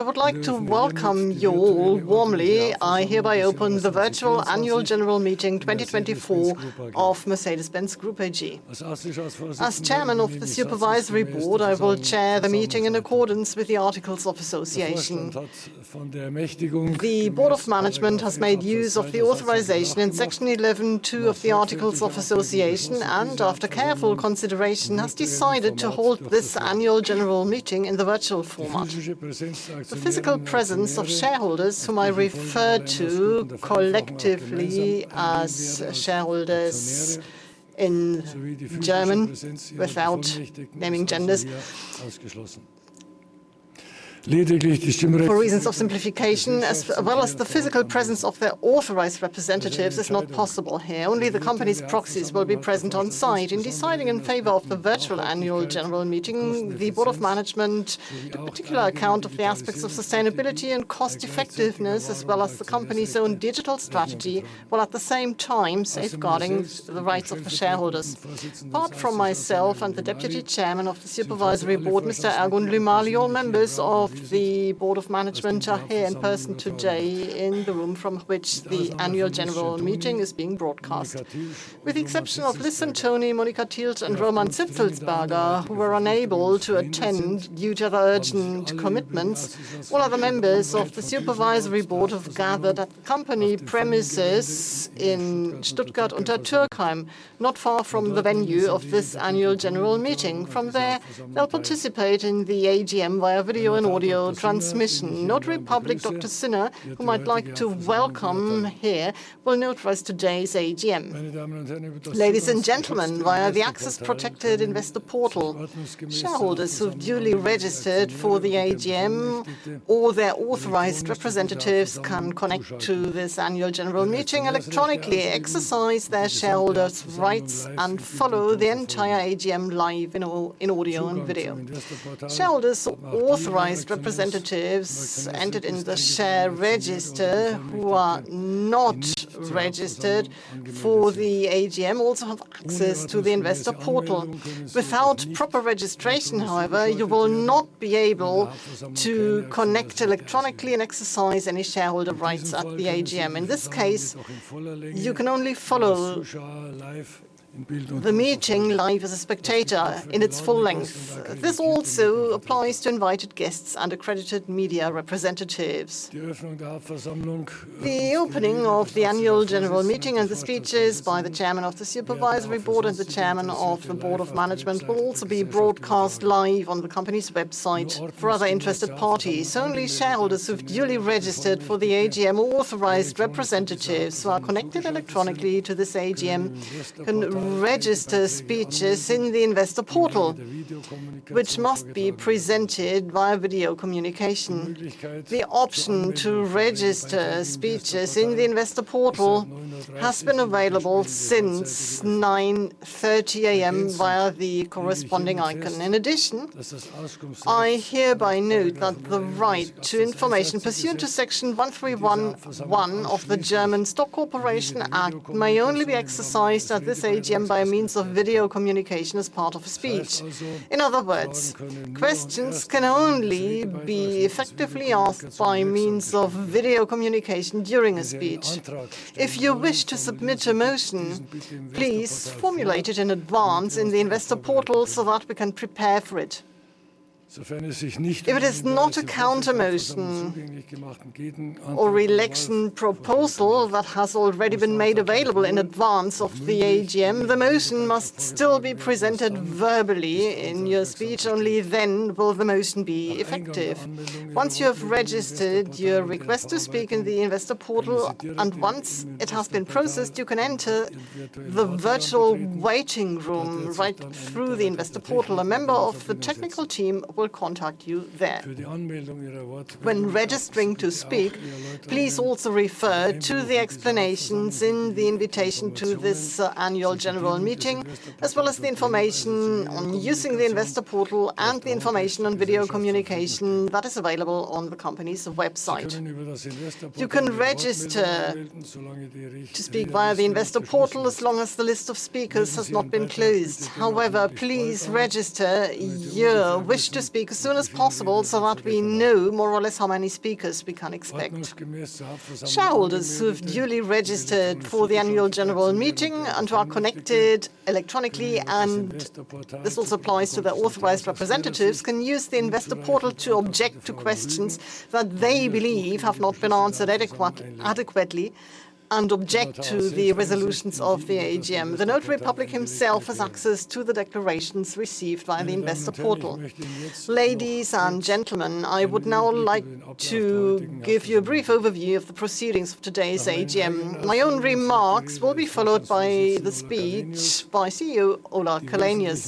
I would like to welcome you all warmly. I hereby open the virtual annual general meeting 2024 of Mercedes-Benz Group AG. As Chairman of the Supervisory Board, I will chair the meeting in accordance with the articles of association. The Board of Management has made use of the authorization in Section 11(2) of the articles of association, and after careful consideration, has decided to hold this annual general meeting in the virtual format. The physical presence of shareholders, whom I refer to collectively as shareholders in German, without naming genders. For reasons of simplification, as well as the physical presence of their authorized representatives is not possible here. Only the company's proxies will be present on site. In deciding in favor of the virtual annual general meeting, the board of management took particular account of the aspects of sustainability and cost-effectiveness, as well as the company's own digital strategy, while at the same time safeguarding the rights of the shareholders. Apart from myself and the Deputy Chairman of the Supervisory Board, Mr. Ergun Lümali, all members of the board of management are here in person today in the room from which the annual general meeting is being broadcast. With the exception of Lisa and Tony, Monika Tielsch, and Roman Zitzelsberger, who were unable to attend due to urgent commitments, all other members of the supervisory board have gathered at company premises in Stuttgart-Untertürkheim, not far from the venue of this annual general meeting. From there, they'll participate in the AGM via video and audio transmission. Notary Public Dr. Sinner. Whom I'd like to welcome here, will notarize today's AGM. Ladies and gentlemen, via the access-protected investor portal, shareholders who've duly registered for the AGM or their authorized representatives can connect to this annual general meeting electronically, exercise their shareholders' rights, and follow the entire AGM live in audio and video. Shareholders or authorized representatives entered in the share register who are not registered for the AGM also have access to the investor portal. Without proper registration, however, you will not be able to connect electronically and exercise any shareholder rights at the AGM. In this case, you can only follow the meeting live as a spectator in its full length. This also applies to invited guests and accredited media representatives. The opening of the annual general meeting and the speeches by the chairman of the supervisory board and the chairman of the board of management will also be broadcast live on the company's website for other interested parties. Only shareholders who've duly registered for the AGM or authorized representatives who are connected electronically to this AGM can register speeches in the investor portal, which must be presented via video communication. The option to register speeches in the investor portal has been available since 9:30 A.M. via the corresponding icon. In addition, I hereby note that the right to information pursuant to Section 131(1) of the German Stock Corporation Act may only be exercised at this AGM by means of video communication as part of a speech. In other words, questions can only be effectively asked by means of video communication during a speech. If you wish to submit a motion, please formulate it in advance in the investor portal so that we can prepare for it. If it is not a countermotion or election proposal that has already been made available in advance of the AGM, the motion must still be presented verbally in your speech. Only then will the motion be effective. Once you have registered your request to speak in the investor portal, and once it has been processed, you can enter the virtual waiting room right through the investor portal. A member of the technical team will contact you there. When registering to speak, please also refer to the explanations in the invitation to this annual general meeting, as well as the information on using the investor portal and the information on video communication that is available on the company's website. You can register to speak via the investor portal as long as the list of speakers has not been closed. However, please register your wish to speak as soon as possible so that we know more or less how many speakers we can expect. Shareholders who've duly registered for the annual general meeting and who are connected electronically, and this also applies to their authorized representatives, can use the investor portal to object to questions that they believe have not been answered adequately and object to the resolutions of the AGM. The notary public himself has access to the declarations received via the investor portal. Ladies and gentlemen, I would now like to give you a brief overview of the proceedings of today's AGM. My own remarks will be followed by the speech by CEO Ola Källenius.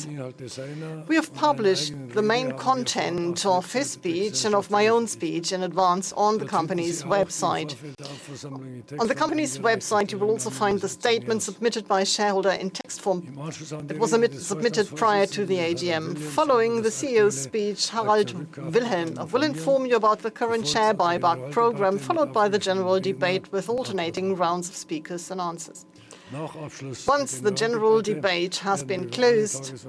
We have published the main content of his speech and of my own speech in advance on the company's website. On the company's website, you will also find the statement submitted by a shareholder in text form that was submitted prior to the AGM. Following the CEO's speech, Harald Wilhelm will inform you about the current share buyback program, followed by the general debate with alternating rounds of speakers and answers. Once the general debate has been closed,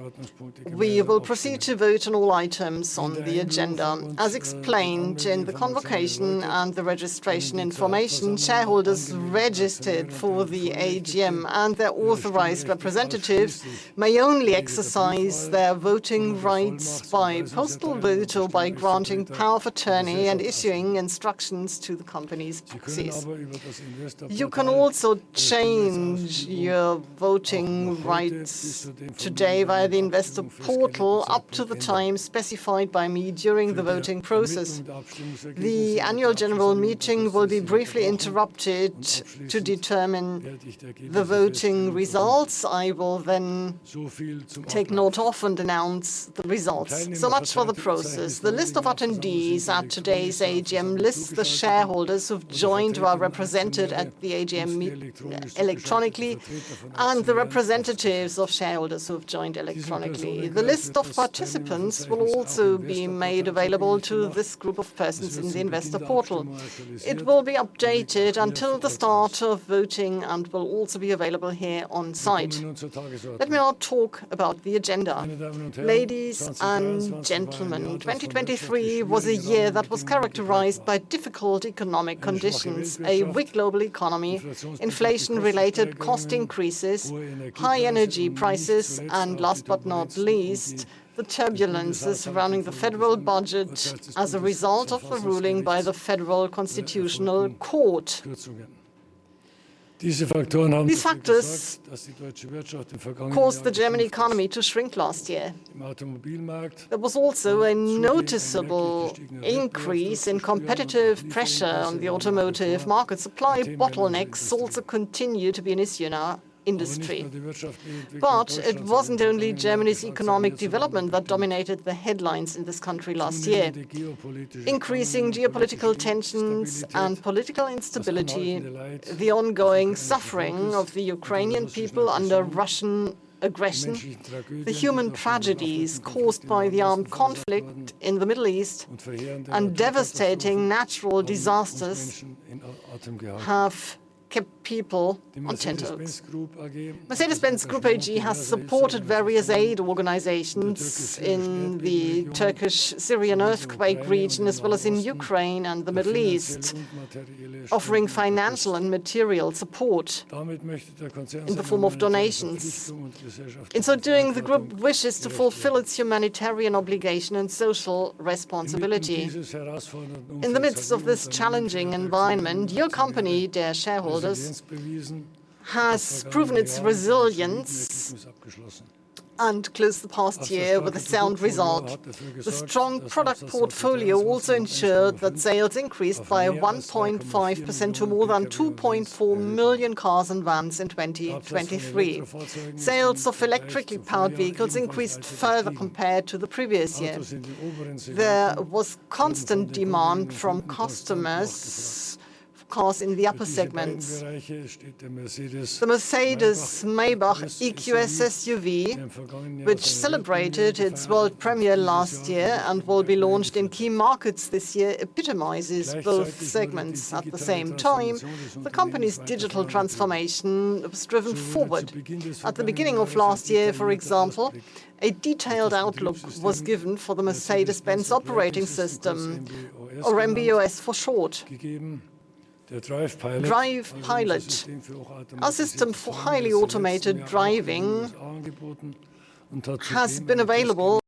we will proceed to vote on all items on the agenda. As explained in the convocation and the registration information, shareholders registered for the AGM and their authorized representatives may only exercise their voting rights by postal vote or by granting power of attorney and issuing instructions to the company's proxies. You can also change your voting rights today via the investor portal up to the time specified by me during the voting process. The annual general meeting will be briefly interrupted to determine the voting results. I will take note of and announce the results. Much for the process. The list of attendees at today's AGM lists the shareholders who've joined who are represented at the AGM electronically and the representatives of shareholders who have joined electronically. The list of participants will also be made available to this group of persons in the investor portal. It will be updated until the start of voting and will also be available here on site. Let me now talk about the agenda. Ladies and gentlemen, 2023 was a year that was characterized by difficult economic conditions, a weak global economy, inflation-related cost increases, high energy prices, and last but not least, the turbulence surrounding the federal budget as a result of the ruling by the Federal Constitutional Court. These factors caused the German economy to shrink last year. There was also a noticeable increase in competitive pressure on the automotive market. Supply bottlenecks also continue to be an issue in our industry. It wasn't only Germany's economic development that dominated the headlines in this country last year. Increasing geopolitical tensions and political instability, the ongoing suffering of the Ukrainian people under Russian aggression, the human tragedies caused by the armed conflict in the Middle East, and devastating natural disasters have kept people on tenterhooks. Mercedes-Benz Group AG has supported various aid organizations in the Turkish-Syrian earthquake region, as well as in Ukraine and the Middle East, offering financial and material support in the form of donations. In so doing, the group wishes to fulfill its humanitarian obligation and social responsibility. In the midst of this challenging environment, your company, dear shareholders, has proven its resilience and closed the past year with a sound result. The strong product portfolio also ensured that sales increased by 1.5% to more than 2.4 million cars and vans in 2023. Sales of electrically powered vehicles increased further compared to the previous year. There was constant demand from customers, of course, in the upper segments. The Mercedes-Maybach EQS SUV, which celebrated its world premiere last year and will be launched in key markets this year, epitomizes both segments. At the same time, the company's digital transformation was driven forward. At the beginning of last year, for example, a detailed outlook was given for the Mercedes-Benz Operating System or MB.OS for short. DRIVE PILOT, our system for highly automated driving, has been available-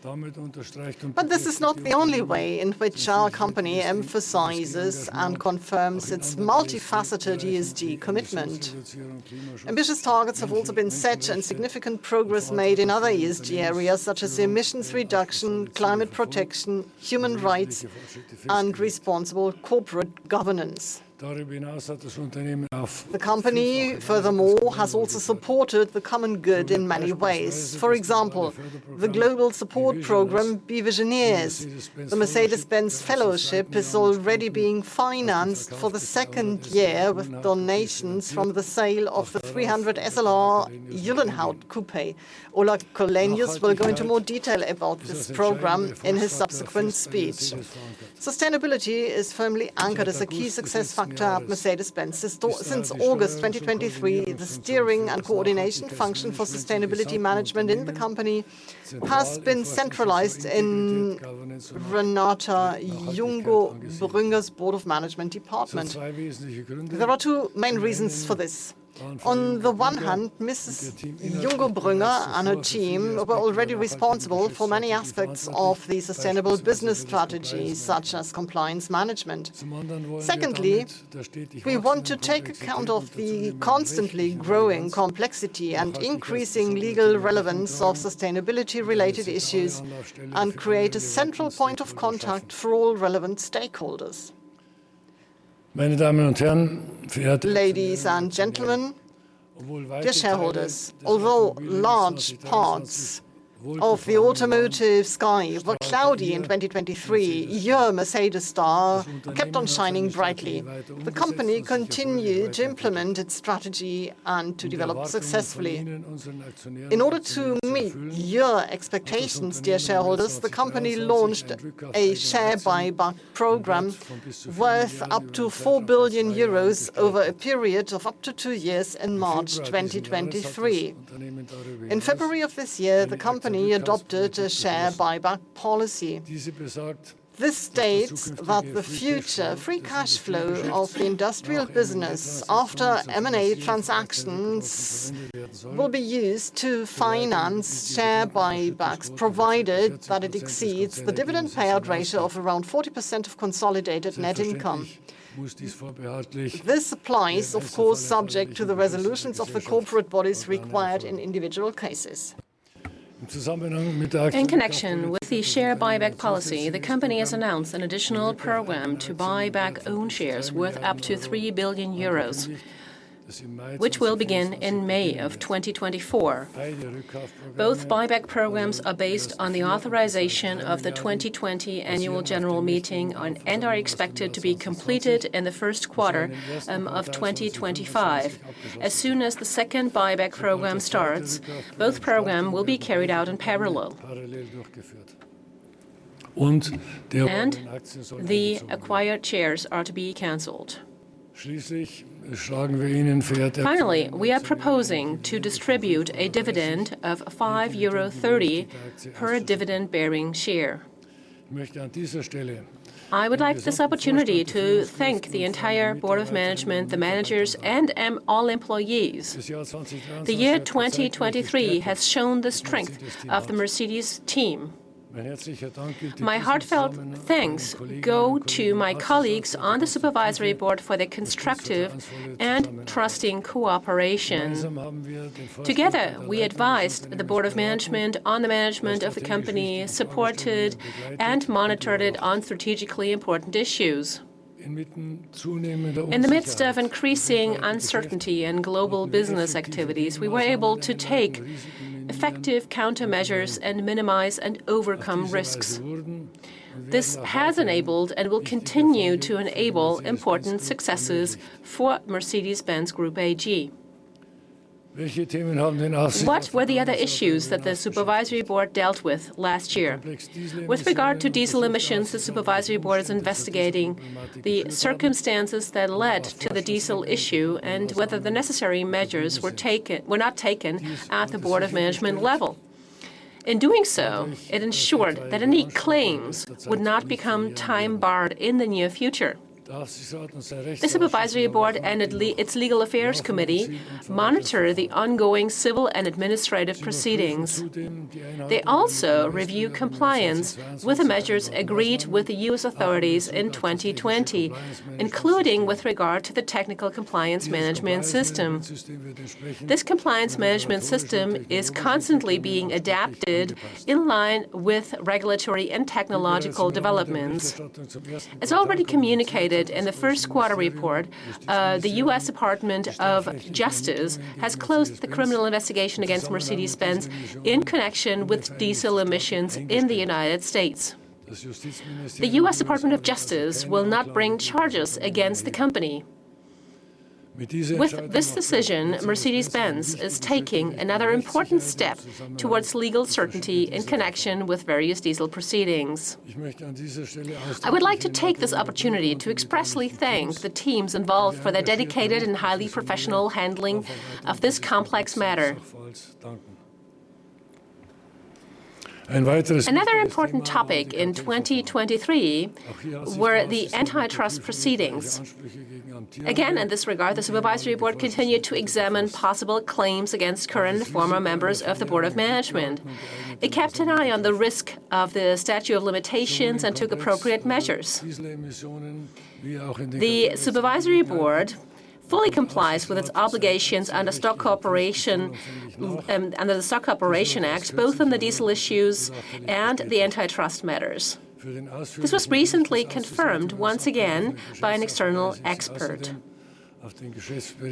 This is not the only way in which our company emphasizes and confirms its multifaceted ESG commitment. Ambitious targets have also been set and significant progress made in other ESG areas such as emissions reduction, climate protection, human rights, and responsible corporate governance. The company, furthermore, has also supported the common good in many ways. For example, the global support program beVisioneers: The Mercedes-Benz Fellowship is already being financed for the 2nd year with donations from the sale of the 300 SLR Uhlenhaut Coupé. Ola Källenius will go into more detail about this program in his subsequent speech. Sustainability is firmly anchored as a key success factor at Mercedes-Benz. Since August 2023, the steering and coordination function for sustainability management in the company has been centralized in Renata Jungo Brüngger's Board of Management department. There are two main reasons for this. Mrs. Jungo Brüngger and her team were already responsible for many aspects of the sustainable business strategy, such as compliance management. Secondly, we want to take account of the constantly growing complexity and increasing legal relevance of sustainability-related issues and create a central point of contact for all relevant stakeholders. Ladies and gentlemen, dear shareholders, although large parts of the automotive sky were cloudy in 2023, your Mercedes star kept on shining brightly. The company continued to implement its strategy and to develop successfully. In order to meet your expectations, dear shareholders, the company launched a share buyback program worth up to 4 billion euros over a period of up to two years in March 2023. In February of this year, the company adopted a share buyback policy. This states that the future Free Cash Flow of the industrial business after M&A transactions will be used to finance share buybacks, provided that it exceeds the dividend payout ratio of around 40% of consolidated net income. This applies, of course, subject to the resolutions of the corporate bodies required in individual cases. In connection with the share buyback policy, the company has announced an additional program to buy back own shares worth up to 3 billion euros, which will begin in May of 2024. Both buyback programs are based on the authorization of the 2020 annual general meeting and are expected to be completed in the first quarter of 2025. As soon as the second buyback program starts, both program will be carried out in parallel. The acquired shares are to be canceled. Finally, we are proposing to distribute a dividend of 5.30 euro per dividend-bearing share. I would like this opportunity to thank the entire board of management, the managers, and all employees. The year 2023 has shown the strength of the Mercedes team. My heartfelt thanks go to my colleagues on the supervisory board for their constructive and trusting cooperation. Together, we advised the board of management on the management of the company, supported and monitored it on strategically important issues. In the midst of increasing uncertainty in global business activities, we were able to take effective countermeasures and minimize and overcome risks. This has enabled, and will continue to enable, important successes for Mercedes-Benz Group AG. What were the other issues that the supervisory board dealt with last year? With regard to diesel emissions, the supervisory board is investigating the circumstances that led to the diesel issue and whether the necessary measures were taken, were not taken at the board of management level. In doing so, it ensured that any claims would not become time-barred in the near future. The supervisory board and its legal affairs committee monitor the ongoing civil and administrative proceedings. They also review compliance with the measures agreed with the U.S. authorities in 2020, including with regard to the technical compliance management system. This compliance management system is constantly being adapted in line with regulatory and technological developments. As already communicated in the first quarter report, the U.S. Department of Justice has closed the criminal investigation against Mercedes-Benz in connection with diesel emissions in the United States. The U.S. Department of Justice will not bring charges against the company. With this decision, Mercedes-Benz is taking another important step towards legal certainty in connection with various diesel proceedings. I would like to take this opportunity to expressly thank the teams involved for their dedicated and highly professional handling of this complex matter. Important topic in 2023 were the antitrust proceedings. In this regard, the supervisory board continued to examine possible claims against current and former members of the board of management. It kept an eye on the risk of the statute of limitations and took appropriate measures. The supervisory board fully complies with its obligations under the Stock Corporation Act, both on the diesel issues and the antitrust matters. This was recently confirmed once again by an external expert. For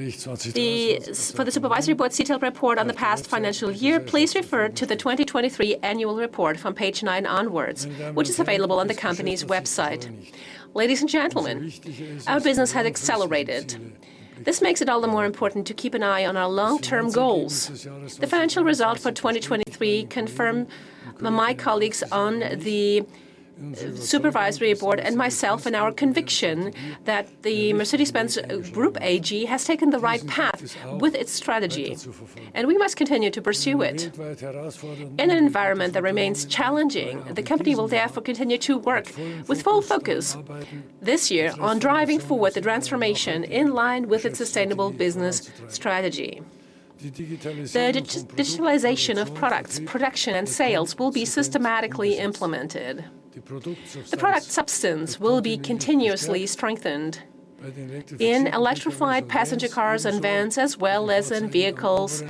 the supervisory board's detailed report on the past financial year, please refer to the 2023 annual report from page 9 onwards, which is available on the company's website. Ladies and gentlemen, our business has accelerated. This makes it all the more important to keep an eye on our long-term goals. The financial result for 2023 confirm my colleagues on the supervisory board and myself in our conviction that the Mercedes-Benz Group AG has taken the right path with its strategy, and we must continue to pursue it. In an environment that remains challenging, the company will therefore continue to work with full focus this year on driving forward the transformation in line with its sustainable business strategy. The digitalization of products, production, and sales will be systematically implemented. The product substance will be continuously strengthened in electrified passenger cars and vans, as well as in vehicles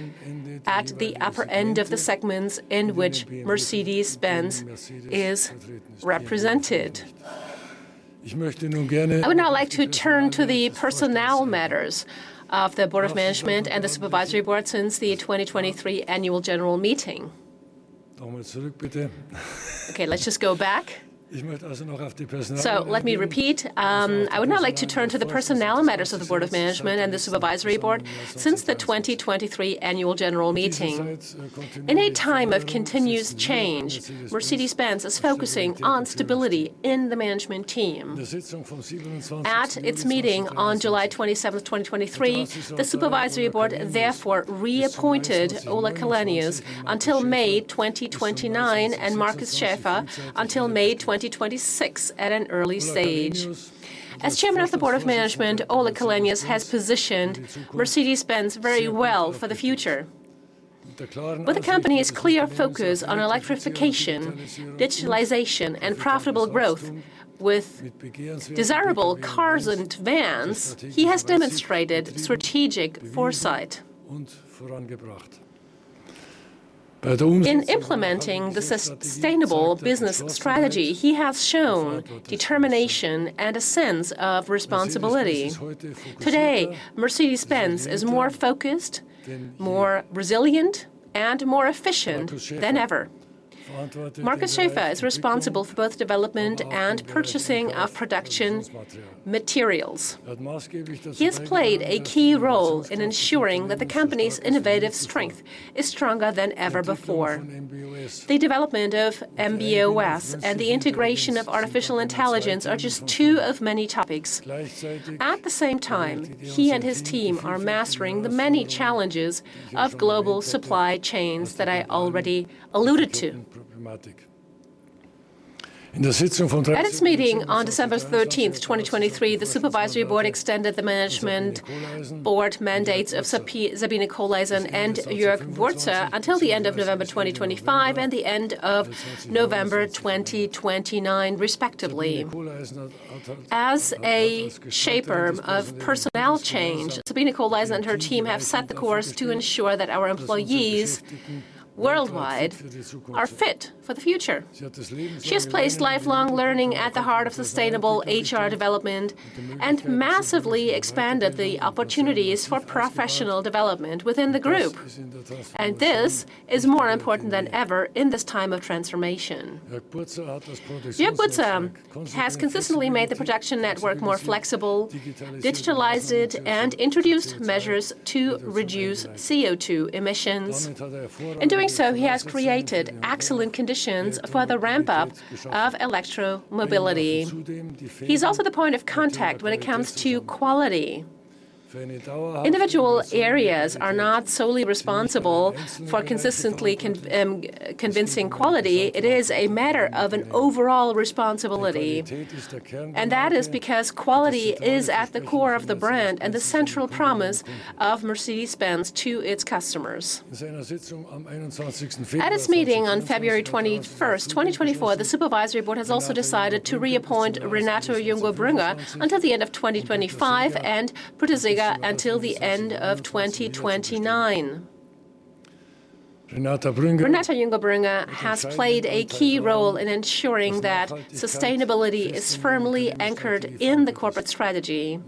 at the upper end of the segments in which Mercedes-Benz is represented. I would now like to turn to the personnel matters of the board of management and the supervisory board since the 2023 annual general meeting. Let's just go back. Let me repeat. I would now like to turn to the personnel matters of the board of management and the supervisory board since the 2023 annual general meeting. In a time of continuous change, Mercedes-Benz is focusing on stability in the management team. At its meeting on July 27, 2023, the supervisory board therefore reappointed Ola Källenius until May 2029 and Markus Schäfer until May 2026 at an early stage. As Chairman of the Board of Management, Ola Källenius has positioned Mercedes-Benz very well for the future. With the company's clear focus on electrification, digitalization, and profitable growth with desirable cars and vans, he has demonstrated strategic foresight. In implementing the sustainable business strategy, he has shown determination and a sense of responsibility. Today, Mercedes-Benz is more focused, more resilient, and more efficient than ever. Markus Schäfer is responsible for both development and purchasing of production materials. He has played a key role in ensuring that the company's innovative strength is stronger than ever before. The development of MB.OS and the integration of artificial intelligence are just two of many topics. At the same time, he and his team are mastering the many challenges of global supply chains that I already alluded to. At its meeting on December 13, 2023, the supervisory board extended the management board mandates of Sabine Kohleisen and Jörg Burzer until the end of November 2025 and the end of November 2029 respectively. As a shaper of personnel change, Sabine Kohleisen and her team have set the course to ensure that our employees worldwide are fit for the future. She has placed lifelong learning at the heart of sustainable HR development and massively expanded the opportunities for professional development within the group, and this is more important than ever in this time of transformation. Jörg Burzer has consistently made the production network more flexible, digitalized it, and introduced measures to reduce CO₂ emissions. In doing so, he has created excellent conditions for the ramp-up of electro-mobility. He's also the point of contact when it comes to quality. Individual areas are not solely responsible for consistently convincing quality. It is a matter of an overall responsibility, and that is because quality is at the core of the brand and the central promise of Mercedes-Benz to its customers. At its meeting on February 21st, 2024, the supervisory board has also decided to reappoint Renata Jungo Brüngger until the end of 2025 and Britta Seeger until the end of 2029. Renata Jungo Brüngger has played a key role in ensuring that sustainability is firmly anchored in the corporate strategy.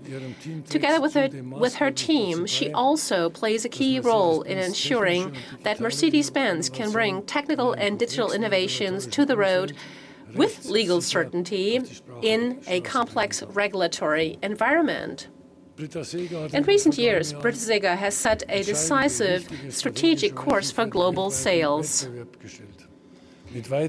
Together with her team, she also plays a key role in ensuring that Mercedes-Benz can bring technical and digital innovations to the road with legal certainty in a complex regulatory environment. In recent years, Britta Seeger has set a decisive strategic course for global sales.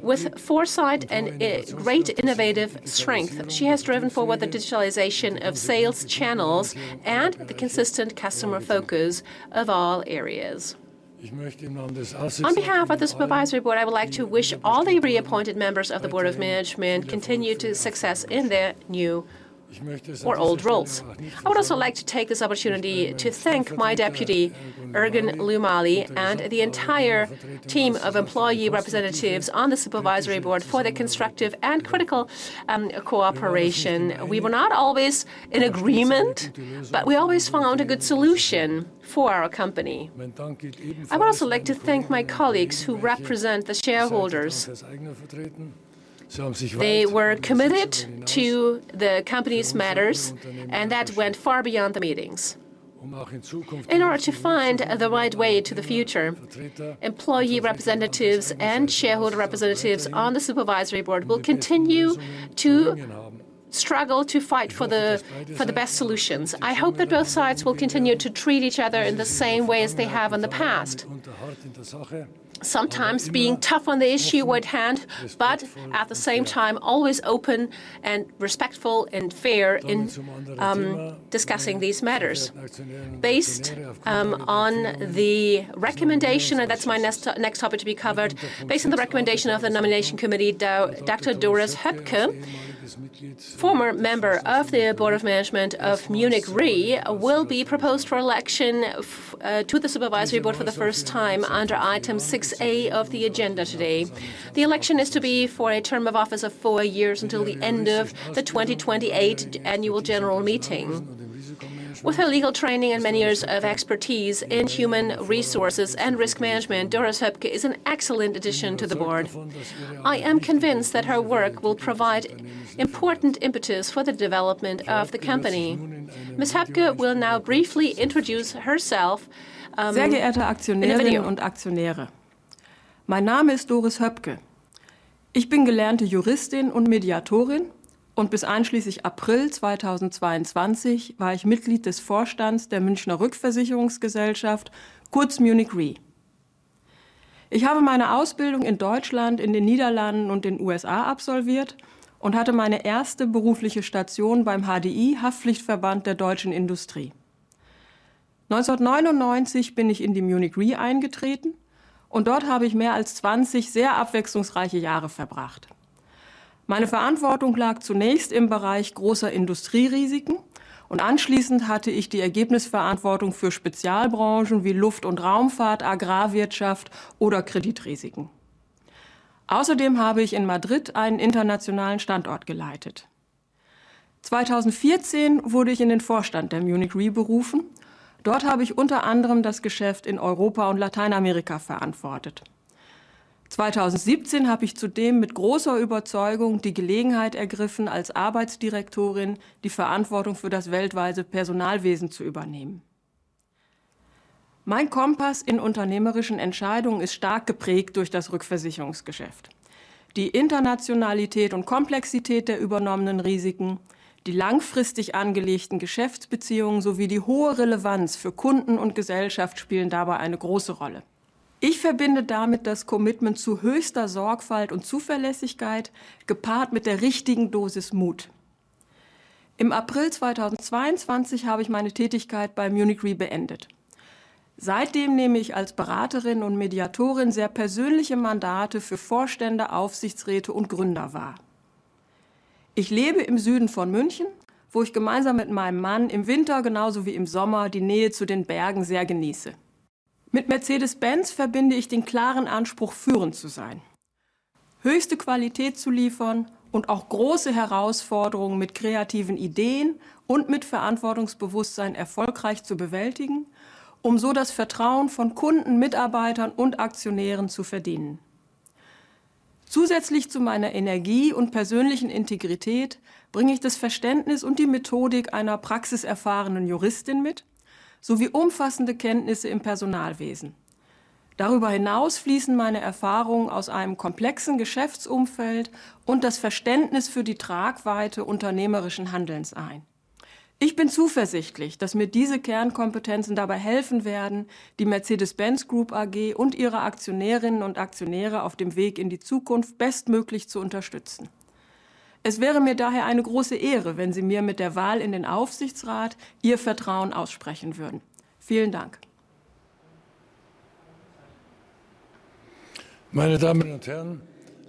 With foresight and great innovative strength, she has driven forward the digitalization of sales channels and the consistent customer focus of all areas. On behalf of the supervisory board, I would like to wish all the reappointed members of the board of management continue to success in their new or old roles. I would also like to take this opportunity to thank my deputy, Ergun Lümali, and the entire team of employee representatives on the supervisory board for their constructive and critical cooperation. We were not always in agreement, but we always found a good solution for our company. I would also like to thank my colleagues who represent the shareholders. They were committed to the company's matters, and that went far beyond the meetings. In order to find the right way to the future, employee representatives and shareholder representatives on the supervisory board will continue to struggle to fight for the best solutions. I hope that both sides will continue to treat each other in the same way as they have in the past. Sometimes being tough on the issue at hand, but at the same time always open and respectful and fair in discussing these matters. Based on the recommendation, and that's my next topic to be covered. Based on the recommendation of the nomination committee, Doctor Doris Höpke, former member of the Board of Management of Munich Re, will be proposed for election to the Supervisory Board for the first time under item six A of the agenda today. The election is to be for a term of office of four years until the end of the 2028 annual general meeting. With her legal training and many years of expertise in human resources and risk management, Doris Höpke is an excellent addition to the board. I am convinced that her work will provide important impetus for the development of the company. Ms. Höpke will now briefly introduce herself in a video.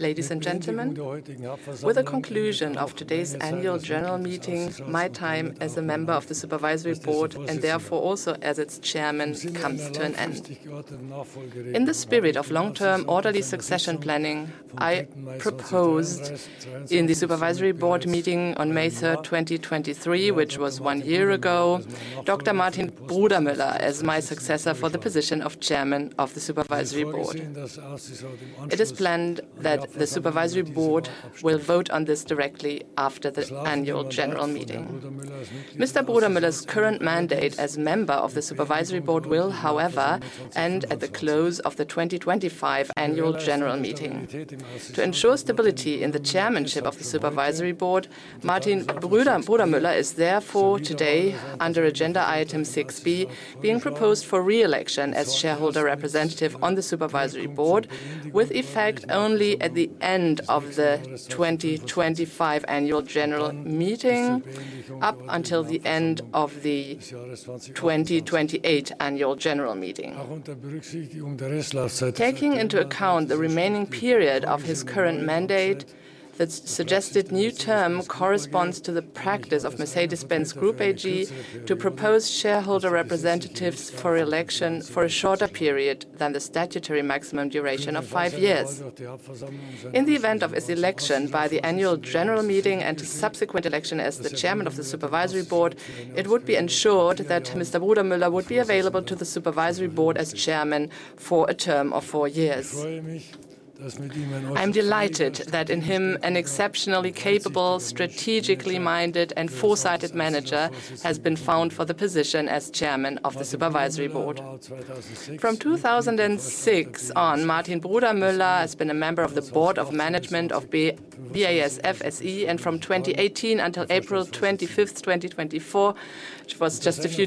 Ladies and gentlemen, with the conclusion of today's annual general meeting, my time as a member of the supervisory board, and therefore also as its chairman, comes to an end. In the spirit of long-term orderly succession planning, I proposed in the supervisory board meeting on May 3, 2023, which was one year ago, Dr. Martin Brudermüller as my successor for the position of chairman of the supervisory board. It is planned that the supervisory board will vote on this directly after the annual general meeting. Mr. Brudermüller's current mandate as member of the supervisory board will, however, end at the close of the 2025 annual general meeting. To ensure stability in the chairmanship of the supervisory board, Martin Brudermüller is therefore today, under agenda item 6 B, being proposed for re-election as shareholder representative on the supervisory board, with effect only at the end of the 2025 annual general meeting, up until the end of the 2028 annual general meeting. Taking into account the remaining period of his current mandate, the suggested new term corresponds to the practice of Mercedes-Benz Group AG to propose shareholder representatives for election for a shorter period than the statutory maximum duration of 5 years. In the event of his election by the annual general meeting and his subsequent election as the chairman of the supervisory board, it would be ensured that Mr. Brudermüller would be available to the supervisory board as chairman for a term of four years. I'm delighted that in him an exceptionally capable, strategically-minded, and foresighted manager has been found for the position as Chairman of the Supervisory Board. From 2006 on, Martin Brudermüller has been a member of the Board of Management of BASF SE, and from 2018 until April 25th, 2024, which was just a few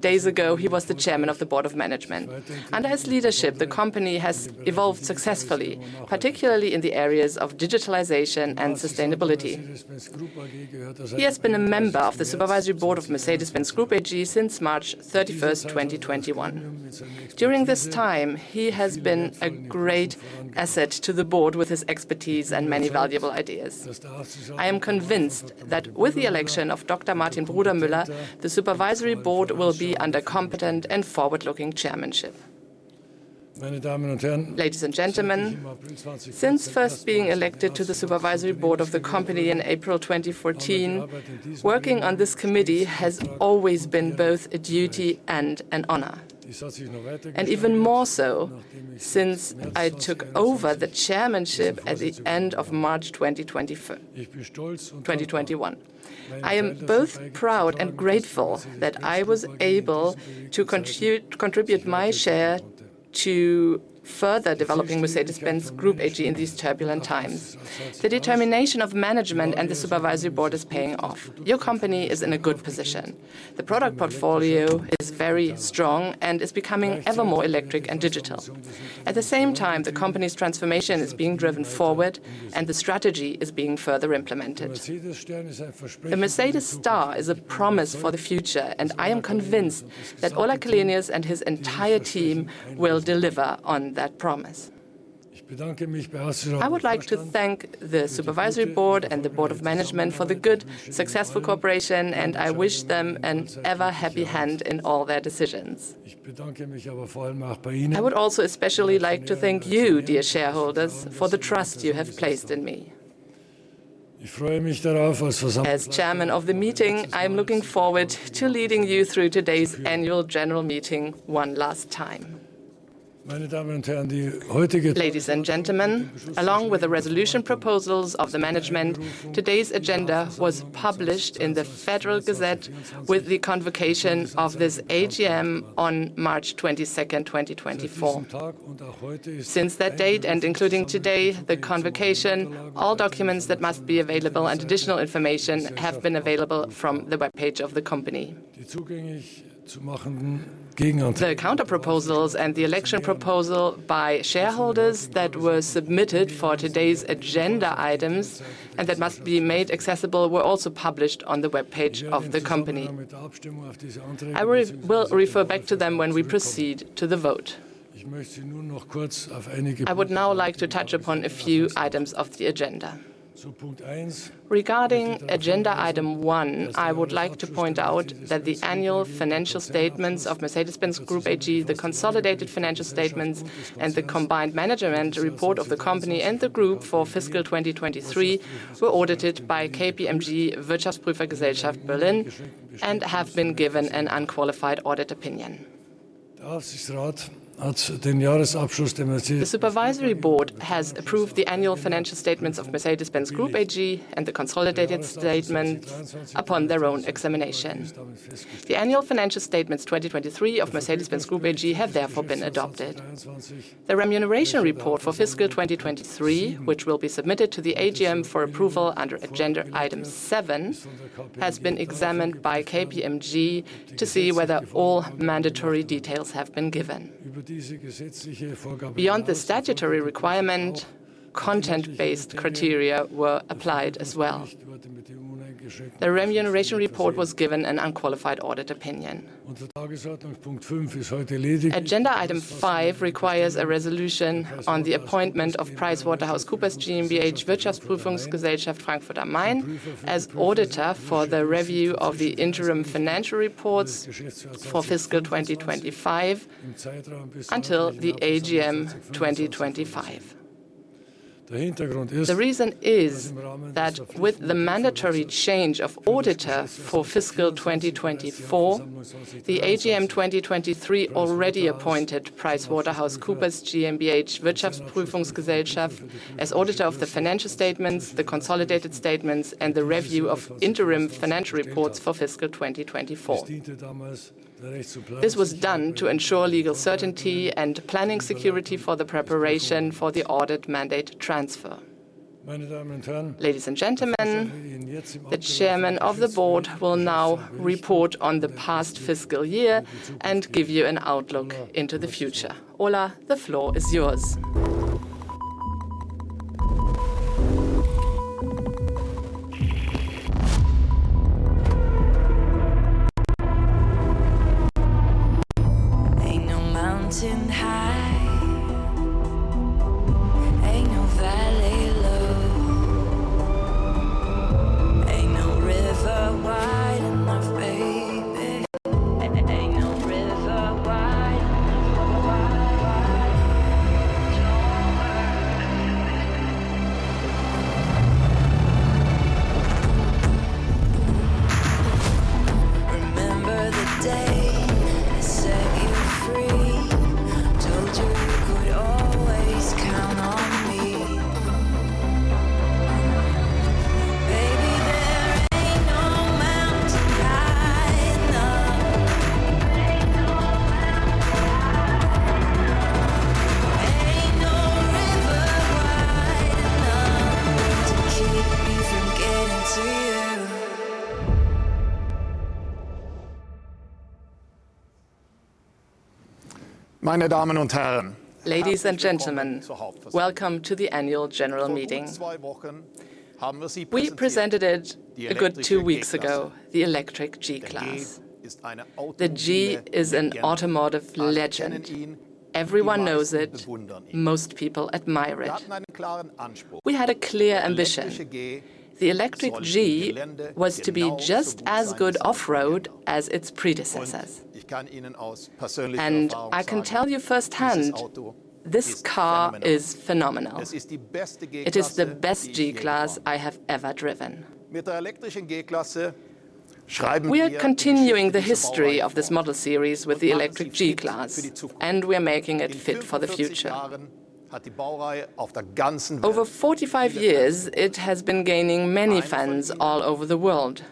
days ago, he was the Chairman of the Board of Management. Under his leadership, the company has evolved successfully, particularly in the areas of digitalization and sustainability. He has been a member of the Supervisory Board of Mercedes-Benz Group AG since March 31st, 2021. During this time, he has been a great asset to the Board with his expertise and many valuable ideas. I am convinced that with the election of Dr. Martin Brudermüller, the Supervisory Board will be under competent and forward-looking chairmanship. Ladies and gentlemen, since first being elected to the supervisory board of the company in April 2014, working on this committee has always been both a duty and an honor, and even more so since I took over the chairmanship at the end of March 2021. I am both proud and grateful that I was able to contribute my share to further developing Mercedes-Benz Group AG in these turbulent times. The determination of management and the supervisory board is paying off. Your company is in a good position. The product portfolio is very strong and is becoming ever more electric and digital. At the same time, the company's transformation is being driven forward, and the strategy is being further implemented. The Mercedes star is a promise for the future, and I am convinced that Ola Källenius and his entire team will deliver on that promise. I would like to thank the Supervisory Board and the Board of Management for the good, successful cooperation, and I wish them an ever-happy hand in all their decisions. I would also especially like to thank you, dear shareholders, for the trust you have placed in me. As chairman of the meeting, I am looking forward to leading you through today's annual general meeting one last time. Ladies and gentlemen, along with the resolution proposals of the management, today's agenda was published in the Federal Gazette with the convocation of this AGM on March 22nd, 2024. Since that date, and including today, the convocation, all documents that must be available and additional information have been available from the webpage of the company. The counter proposals and the election proposal by shareholders that were submitted for today's agenda items and that must be made accessible were also published on the webpage of the company. I will refer back to them when we proceed to the vote. I would now like to touch upon a few items of the agenda. Regarding agenda item 1, I would like to point out that the annual financial statements of Mercedes-Benz Group AG, the consolidated financial statements, and the combined management report of the company and the group for fiscal 2023 were audited by KPMG. The supervisory board has approved the annual financial statements of Mercedes-Benz Group AG and the consolidated statement upon their own examination. The annual financial statements 2023 of Mercedes-Benz Group AG have therefore been adopted. The remuneration report for fiscal 2023, which will be submitted to the AGM for approval under agenda item 7, has been examined by KPMG to see whether all mandatory details have been given. Beyond the statutory requirement, content-based criteria were applied as well. The remuneration report was given an unqualified audit opinion. Agenda item 5 requires a resolution on the appointment of PricewaterhouseCoopers GmbH Feel free. Told you you could always count on me. Baby, there ain't no mountain high enough. Ain't no mountain high enough. Ain't no river wide enough to keep me from getting to you. Ladies and gentlemen, welcome to the annual general meeting. We presented it a good two weeks ago, the electric G-Class. The G is an automotive legend. Everyone knows it. Most people admire it. We had a clear ambition. The electric G was to be just as good off-road as its predecessors. I can tell you firsthand, this car is phenomenal. It is the best G-Class I have ever driven. We are continuing the history of this model series with the electric G-Class, and we're making it fit for the future. Over 45 years, it has been gaining many fans all over the world.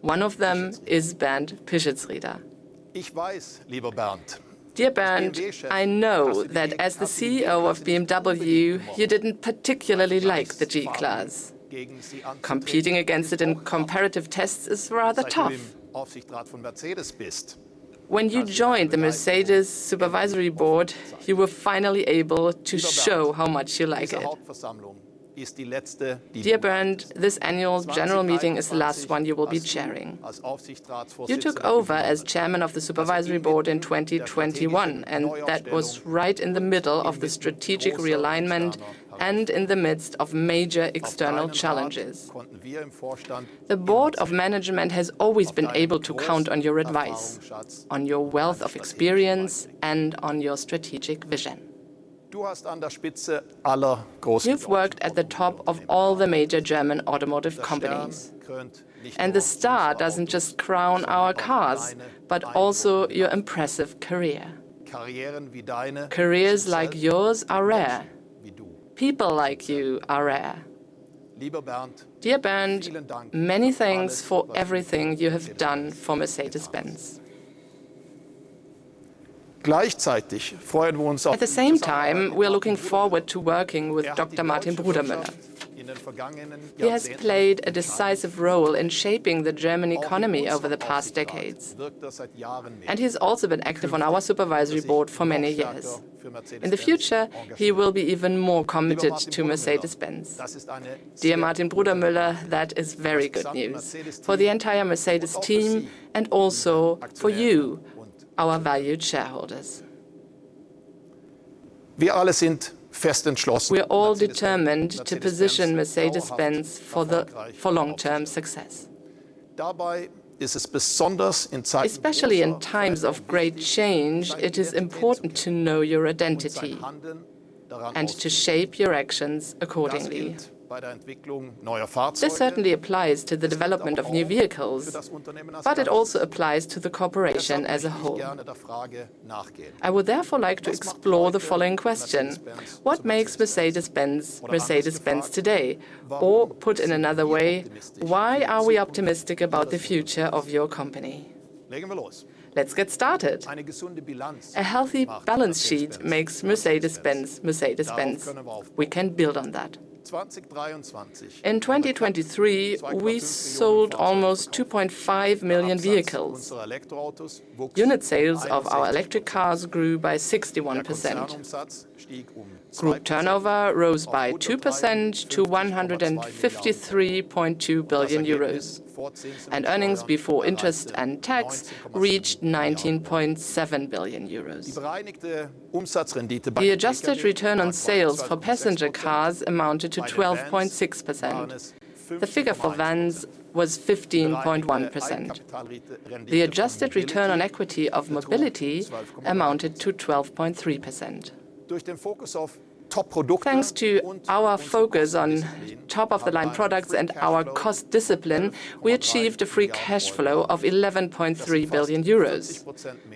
One of them is Bernd Pischetsrieder. Dear Bernd, I know that as the CEO of BMW, you didn't particularly like the G-Class. Competing against it in comparative tests is rather tough. When you joined the Mercedes Supervisory Board, you were finally able to show how much you like it. Dear Bernd, this annual general meeting is the last one you will be chairing. You took over as Chairman of the Supervisory Board in 2021, and that was right in the middle of the strategic realignment and in the midst of major external challenges. The Board of Management has always been able to count on your advice, on your wealth of experience, and on your strategic vision. You've worked at the top of all the major German automotive companies, and the star doesn't just crown our cars but also your impressive career. Careers like yours are rare. People like you are rare. Dear Bernd, many thanks for everything you have done for Mercedes-Benz. At the same time, we are looking forward to working with Dr. Martin Brudermüller. He has played a decisive role in shaping the German economy over the past decades, and he's also been active on our supervisory board for many years. In the future, he will be even more committed to Mercedes-Benz. Dear Martin Brudermüller, that is very good news for the entire Mercedes team and also for you, our valued shareholders. We are all determined to position Mercedes-Benz for long-term success. Especially in times of great change, it is important to know your identity and to shape your actions accordingly. This certainly applies to the development of new vehicles, but it also applies to the corporation as a whole. I would therefore like to explore the following question: What makes Mercedes-Benz Mercedes-Benz today? Put in another way, why are we optimistic about the future of your company? Let's get started. A healthy balance sheet makes Mercedes-Benz Mercedes-Benz. We can build on that. In 2023, we sold almost 2.5 million vehicles. Unit sales of our electric cars grew by 61%. Group turnover rose by 2% to 153.2 billion euros, and earnings before interest and tax reached 19.7 billion euros. The Adjusted Return on Sales for passenger cars amounted to 12.6%. The figure for vans was 15.1%. The Adjusted Return on Equity of mobility amounted to 12.3%. Thanks to our focus on top-of-the-line products and our cost discipline, we achieved a Free Cash Flow of 11.3 billion euros,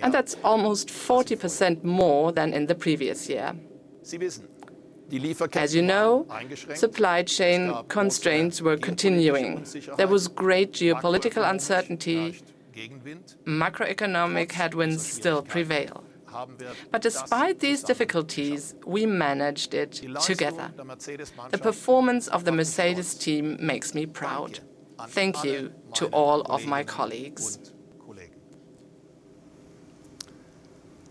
and that's almost 40% more than in the previous year. As you know, supply chain constraints were continuing. There was great geopolitical uncertainty. Macroeconomic headwinds still prevail. Despite these difficulties, we managed it together. The performance of the Mercedes team makes me proud. Thank you to all of my colleagues.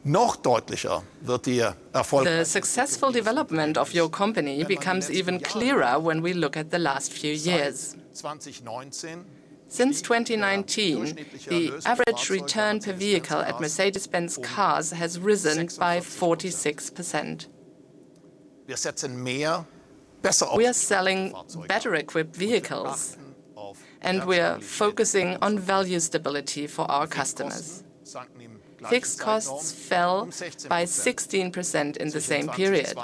The successful development of your company becomes even clearer when we look at the last few years. Since 2019, the average return per vehicle at Mercedes-Benz Cars has risen by 46%. We are selling better-equipped vehicles, and we are focusing on value stability for our customers. Fixed costs fell by 16% in the same period.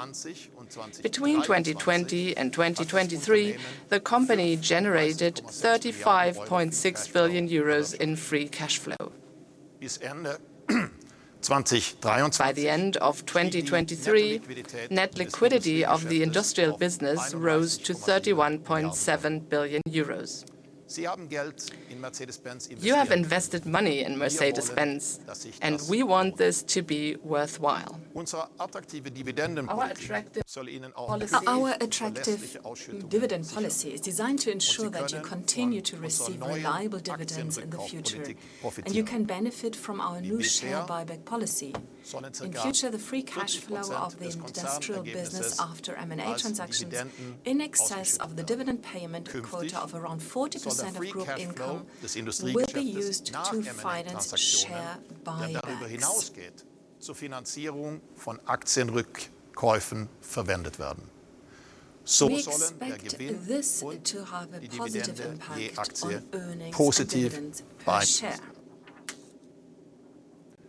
Between 2020 and 2023, the company generated 35.6 billion euros in Free Cash Flow. By the end of 2023, net liquidity of the industrial business rose to 31.7 billion euros. You have invested money in Mercedes-Benz, and we want this to be worthwhile. Our attractive dividend policy is designed to ensure that you continue to receive reliable dividends in the future, and you can benefit from our new share buyback policy. In future, the Free Cash Flow of the industrial business after M&A transactions in excess of the dividend payment quota of around 40% of group income will be used to finance share buybacks. We expect this to have a positive impact on earnings and dividends per share.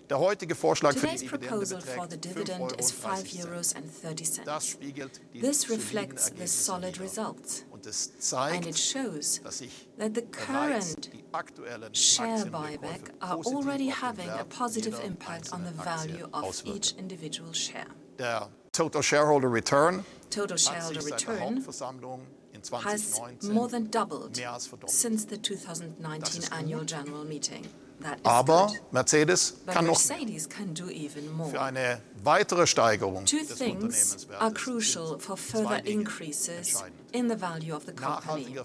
Today's proposal for the dividend is 5.30 euros. This reflects the solid results, and it shows that the current share buyback are already having a positive impact on the value of each individual share. Total Shareholder Return. Total shareholder return has more than doubled since the 2019 annual general meeting. That is good. Mercedes-Benz can do even more. Two things are crucial for further increases in the value of the company: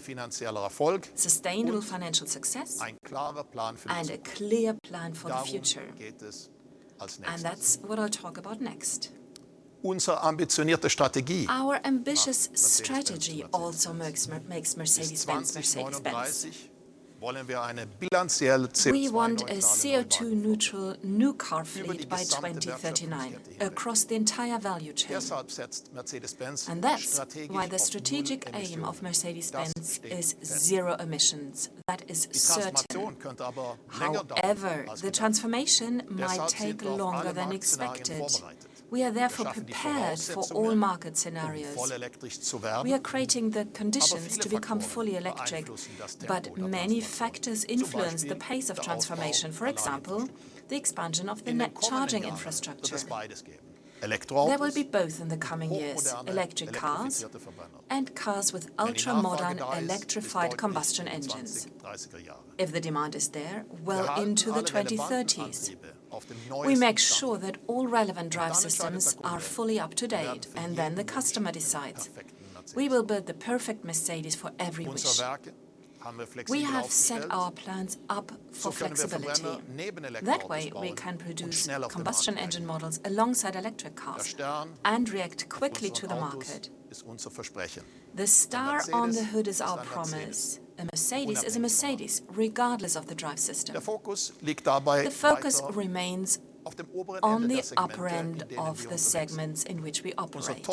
sustainable financial success and a clear plan for the future, and that's what I'll talk about next. Our ambitious strategy also makes Mercedes-Benz Mercedes-Benz. We want a CO₂ neutral new car fleet by 2039 across the entire value chain. That's why the strategic aim of Mercedes-Benz is zero emissions. That is certain. However, the transformation might take longer than expected. We are therefore prepared for all market scenarios. We are creating the conditions to become fully electric, but many factors influence the pace of transformation. For example, the expansion of the net charging infrastructure. There will be both in the coming years, electric cars and cars with ultra-modern electrified combustion engines. If the demand is there, well into the 2030s. We make sure that all relevant drive systems are fully up-to-date, and then the customer decides. We will build the perfect Mercedes for every wish. We have set our plans up for flexibility. That way, we can produce combustion engine models alongside electric cars and react quickly to the market. The star on the hood is our promise. A Mercedes is a Mercedes, regardless of the drive system. The focus remains on the upper end of the segments in which we operate.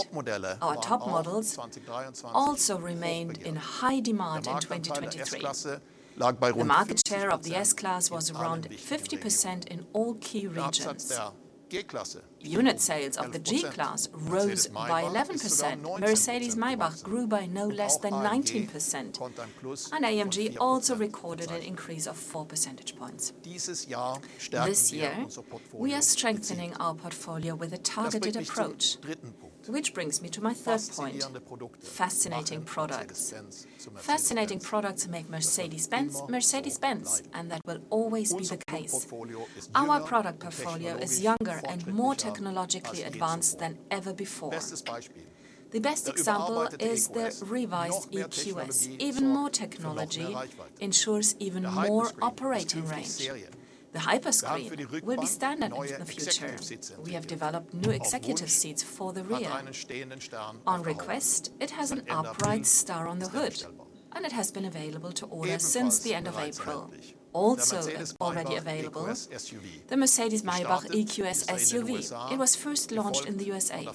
Our top models also remained in high demand in 2023. The market share of the S-Class was around 50% in all key regions. Unit sales of the G-Class rose by 11%. Mercedes-Maybach grew by no less than 19%, and AMG also recorded an increase of 4 percentage points. This year, we are strengthening our portfolio with a targeted approach. Which brings me to my third point: fascinating products. Fascinating products make Mercedes-Benz Mercedes-Benz, and that will always be the case. Our product portfolio is younger and more technologically advanced than ever before. The best example is the revised EQS. Even more technology ensures even more operating range. The Hyperscreen will be standard in the future. We have developed new executive seats for the rear. On request, it has an upright star on the hood, and it has been available to order since the end of April. Also, already available, the Mercedes-Maybach EQS SUV. It was first launched in the USA,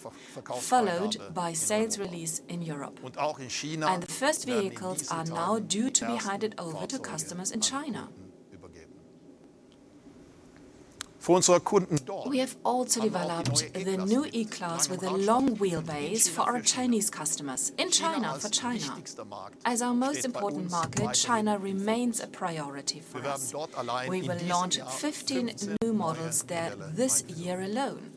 followed by sales release in Europe. The first vehicles are now due to be handed over to customers in China. We have also developed the new E-Class with a long wheelbase for our Chinese customers. In China for China. As our most important market, China remains a priority for us. We will launch 15 new models there this year alone.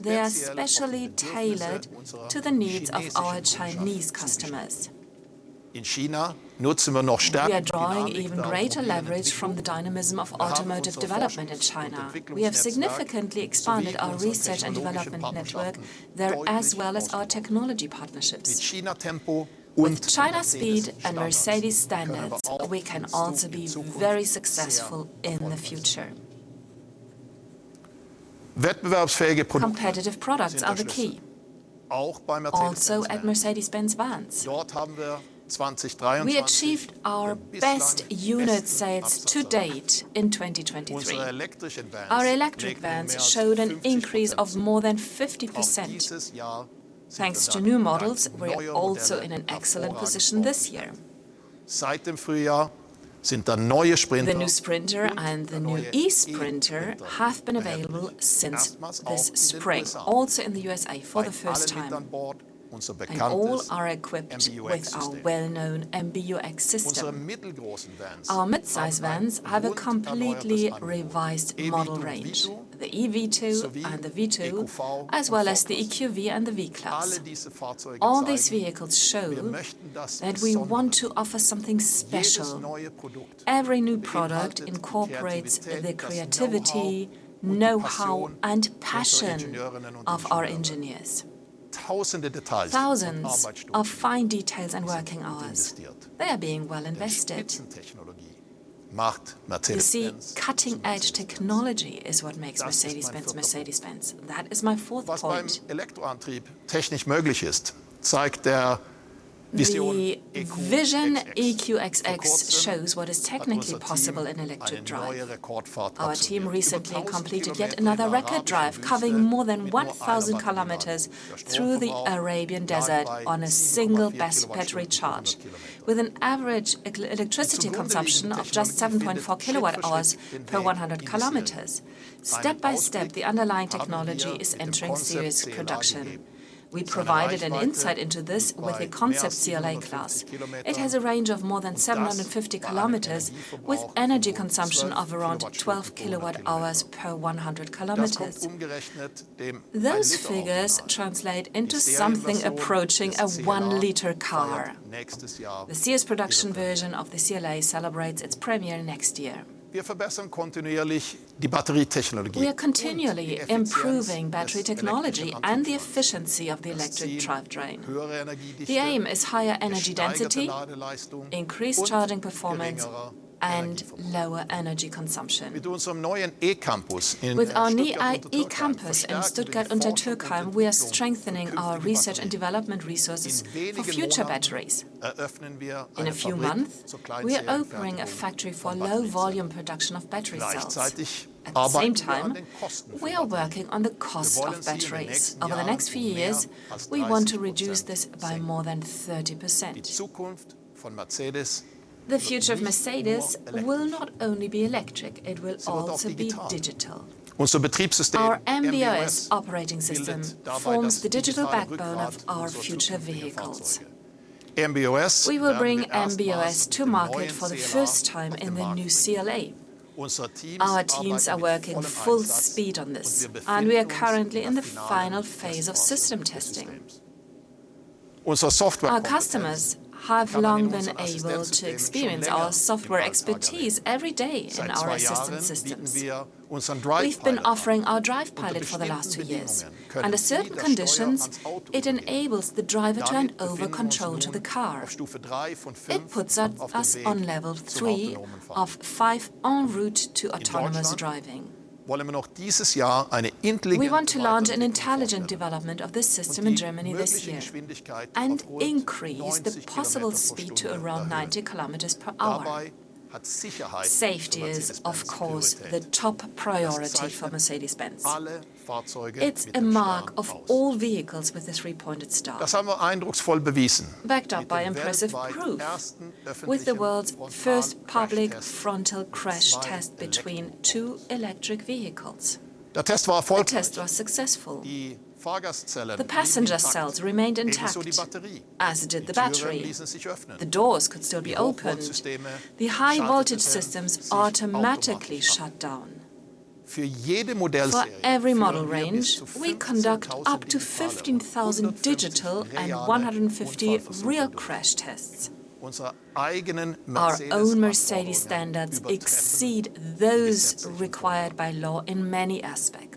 They are specially tailored to the needs of our Chinese customers. We are drawing even greater leverage from the dynamism of automotive development in China. We have significantly expanded our research and development network there, as well as our technology partnerships. With China speed and Mercedes standards, we can also be very successful in the future. Competitive products are the key, also at Mercedes-Benz Vans. We achieved our best unit sales to date in 2023. Our electric vans showed an increase of more than 50%. Thanks to new models, we are also in an excellent position this year. The new Sprinter and the new eSprinter have been available since this spring, also in the USA for the first time. All are equipped with our well-known MBUX system. Our mid-size vans have a completely revised model range. The E-Vito and the Vito, as well as the EQV and the V-Class. All these vehicles show that we want to offer something special. Every new product incorporates the creativity, know-how, and passion of our engineers. Thousands of fine details and working hours, they are being well invested. You see, cutting-edge technology is what makes Mercedes-Benz Mercedes-Benz. That is my fourth point. The Vision EQXX shows what is technically possible in electric drive. Our team recently completed yet another record drive, covering more than 1,000 kilometers through the Arabian Desert on a single battery charge. With an average electricity consumption of just 7.4 kWh per 100 km. Step by step, the underlying technology is entering serious production. We provided an insight into this with a Concept CLA Class. It has a range of more than 750 km with energy consumption of around 12 kWh per 100 km. Those figures translate into something approaching a one-liter car. The CS production version of the CLA celebrates its premiere next year. We are continually improving battery technology and the efficiency of the electric drivetrain. The aim is higher energy density, increased charging performance, and lower energy consumption. With our new eCampus in Stuttgart-Untertürkheim, we are strengthening our research and development resources for future batteries. In a few months, we are opening a factory for low-volume production of battery cells. At the same time, we are working on the cost of batteries. Over the next few years, we want to reduce this by more than 30%. The future of Mercedes-Benz will not only be electric, it will also be digital. Our MB.OS operating system forms the digital backbone of our future vehicles. We will bring MB.OS to market for the first time in the new CLA. Our teams are working full speed on this. We are currently in the final phase of system testing. Our customers have long been able to experience our software expertise every day in our assistant systems. We've been offering our DRIVE PILOT for the last 2 years. Under certain conditions, it enables the driver to hand over control to the car. It puts us on Level 3 of five en route to autonomous driving. We want to launch an intelligent development of this system in Germany this year and increase the possible speed to around 90 kilometers per hour. Safety is, of course, the top priority for Mercedes-Benz. It's a mark of all vehicles with the three-pointed star, backed up by impressive proof with the world's first public frontal crash test between two electric vehicles. The test was successful. The passenger cells remained intact, as did the battery. The doors could still be opened. The high-voltage systems automatically shut down. For every model range, we conduct up to 15,000 digital and 150 real crash tests. Our own Mercedes standards exceed those required by law in many aspects.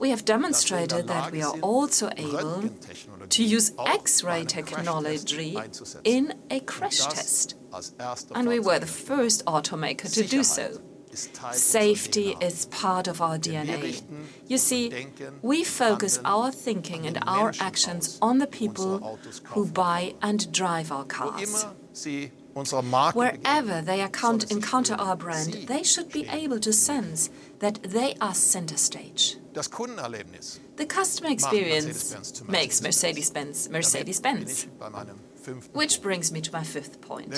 We have demonstrated that we are also able to use X-ray technology in a crash test, and we were the first automaker to do so. Safety is part of our DNA. You see, we focus our thinking and our actions on the people who buy and drive our cars. Wherever they encounter our brand, they should be able to sense that they are center stage. The customer experience makes Mercedes-Benz Mercedes-Benz, which brings me to my fifth point. We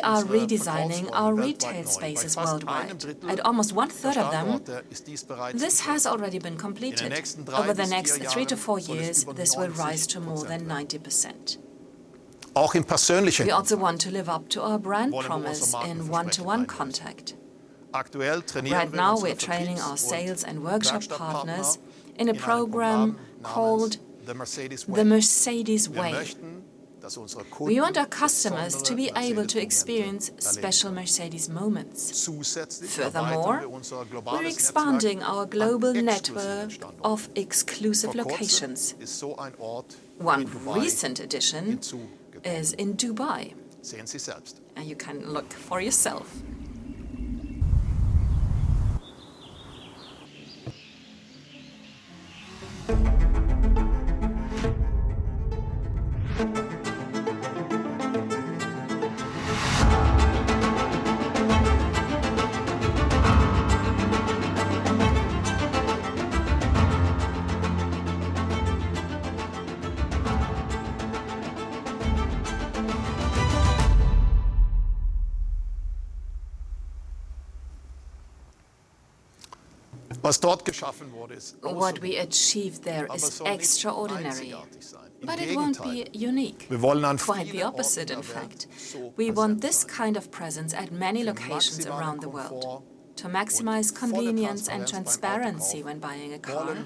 are redesigning our retail spaces worldwide. At almost one-third of them, this has already been completed. Over the next 3-4 years, this will rise to more than 90%. We also want to live up to our brand promise in one-to-one contact. Right now, we're training our sales and workshop partners in a program called The Mercedes Way. We want our customers to be able to experience special Mercedes moments. Furthermore, we're expanding our global network of exclusive locations. One recent addition is in Dubai. You can look for yourself. What we achieved there is extraordinary, it won't be unique. Quite the opposite, in fact. We want this kind of presence at many locations around the world to maximize convenience and transparency when buying a car.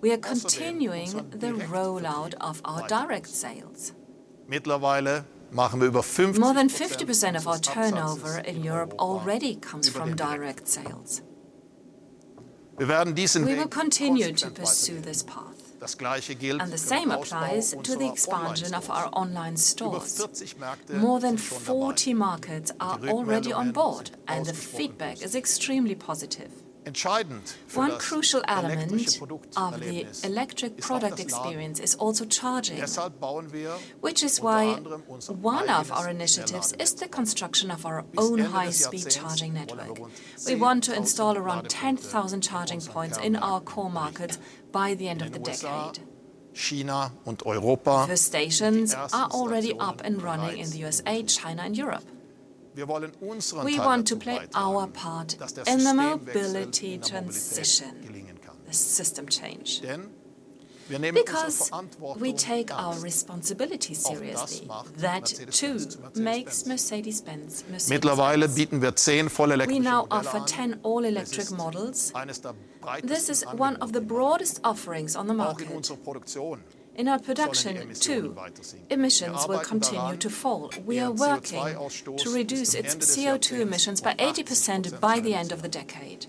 We are continuing the rollout of our direct sales. More than 50% of our turnover in Europe already comes from direct sales. We will continue to pursue this path, the same applies to the expansion of our online stores. More than 40 markets are already on board, the feedback is extremely positive. One crucial element of the electric product experience is also charging, which is why one of our initiatives is the construction of our own high-speed charging network. We want to install around 10,000 charging points in our core market by the end of the decade. The stations are already up and running in the USA, China, and Europe. We want to play our part in the mobility transition, the system change, because we take our responsibility seriously. That, too, makes Mercedes-Benz Mercedes-Benz. We now offer 10 all-electric models. This is one of the broadest offerings on the market. In our production, too, emissions will continue to fall. We are working to reduce its CO₂ emissions by 80% by the end of the decade.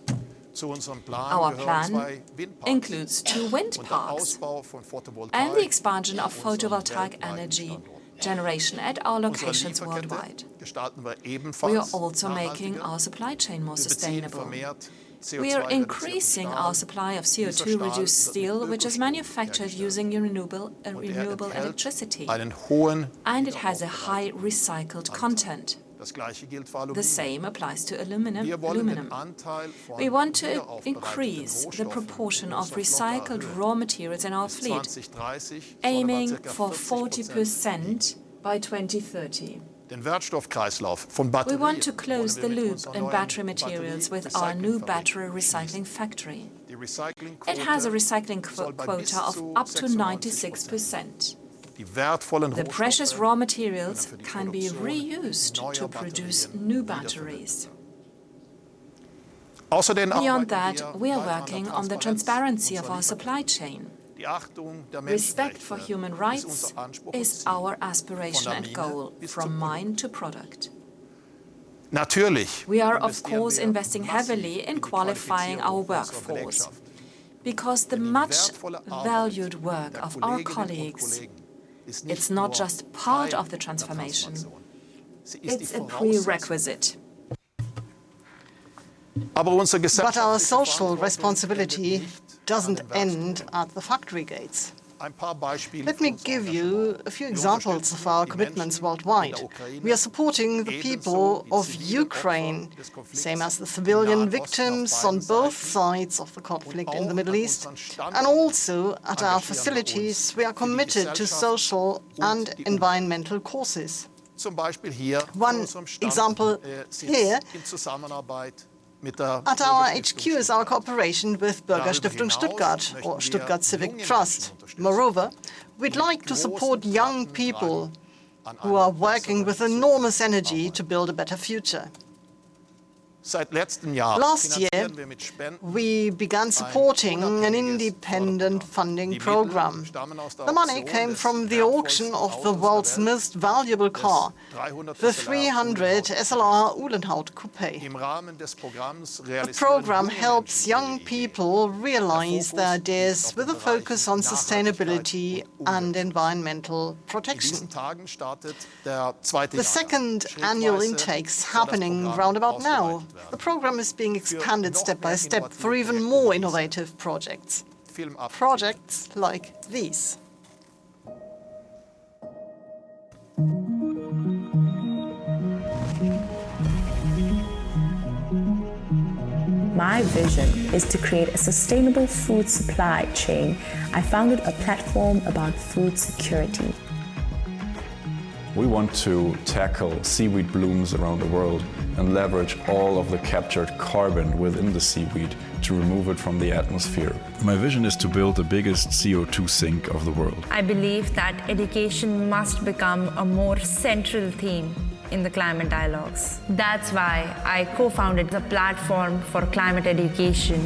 Our plan includes two wind parks and the expansion of photovoltaic energy generation at our locations worldwide. We are also making our supply chain more sustainable. We are increasing our supply of CO₂-reduced steel, which is manufactured using your renewable electricity, and it has a high recycled content. The same applies to aluminum. Aluminum. We want to increase the proportion of recycled raw materials in our fleet, aiming for 40% by 2030. We want to close the loop in battery materials with our new battery recycling factory. It has a recycling quota of up to 96%. The precious raw materials can be reused to produce new batteries. Beyond that, we are working on the transparency of our supply chain. Respect for human rights is our aspiration and goal from mine to product. We are, of course, investing heavily in qualifying our workforce because the much-valued work of our colleagues, it's not just part of the transformation, it's a prerequisite. Our social responsibility doesn't end at the factory gates. Let me give you a few examples of our commitments worldwide. We are supporting the people of Ukraine, same as the civilian victims on both sides of the conflict in the Middle East, and also at our facilities, we are committed to social and environmental causes. One example here at our HQ is our cooperation with Bürgerstiftung Stuttgart, or Stuttgart Civic Trust. We'd like to support young people who are working with enormous energy to build a better future. Last year, we began supporting an independent funding program. The money came from the auction of the world's most valuable car, the 300 SLR Uhlenhaut Coupé. The program helps young people realize their ideas with a focus on sustainability and environmental protection. The second annual intake's happening roundabout now. The program is being expanded step by step for even more innovative projects. Projects like these. My vision is to create a sustainable food supply chain. I founded a platform about food security. We want to tackle seaweed blooms around the world and leverage all of the captured carbon within the seaweed to remove it from the atmosphere. My vision is to build the biggest CO₂ sink of the world. I believe that education must become a more central theme in the climate dialogues. That's why I co-founded the platform for climate education.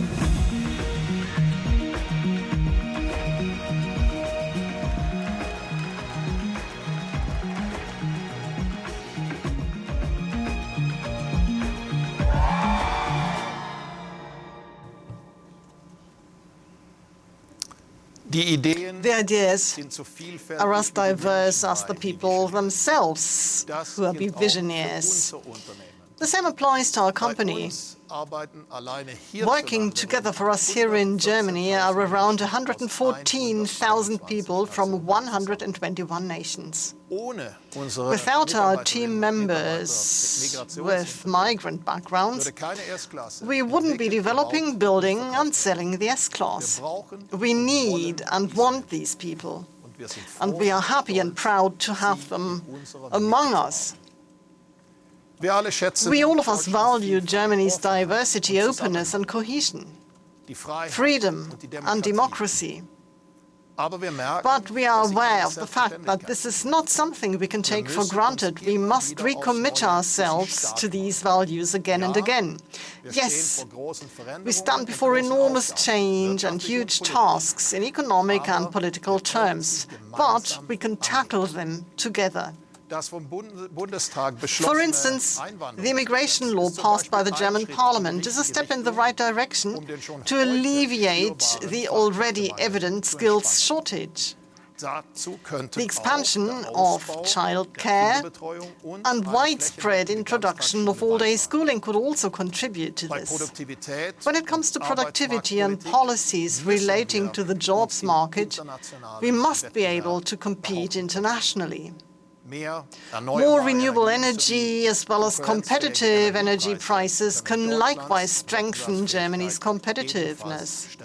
The ideas are as diverse as the people themselves who are beVisioneers. The same applies to our company. Working together for us here in Germany are around 114,000 people from 121 nations. Without our team members with migrant backgrounds, we wouldn't be developing, building, and selling the S-Class. We need and want these people, and we are happy and proud to have them among us. We, all of us, value Germany's diversity, openness, and cohesion, freedom and democracy. We are aware of the fact that this is not something we can take for granted. We must recommit ourselves to these values again and again. We stand before enormous change and huge tasks in economic and political terms, but we can tackle them together. For instance, the immigration law passed by the German parliament is a step in the right direction to alleviate the already evident skills shortage. The expansion of childcare and widespread introduction of all-day schooling could also contribute to this. When it comes to productivity and policies relating to the jobs market, we must be able to compete internationally. More renewable energy, as well as competitive energy prices, can likewise strengthen Germany's competitiveness.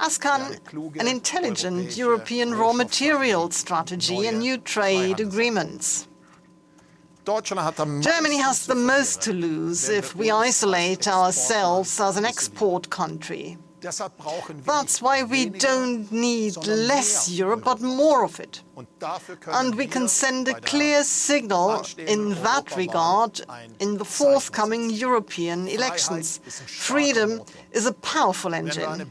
As can an intelligent European raw material strategy and new trade agreements. Germany has the most to lose if we isolate ourselves as an export country. We don't need less Europe, but more of it, and we can send a clear signal in that regard in the forthcoming European elections. Freedom is a powerful engine.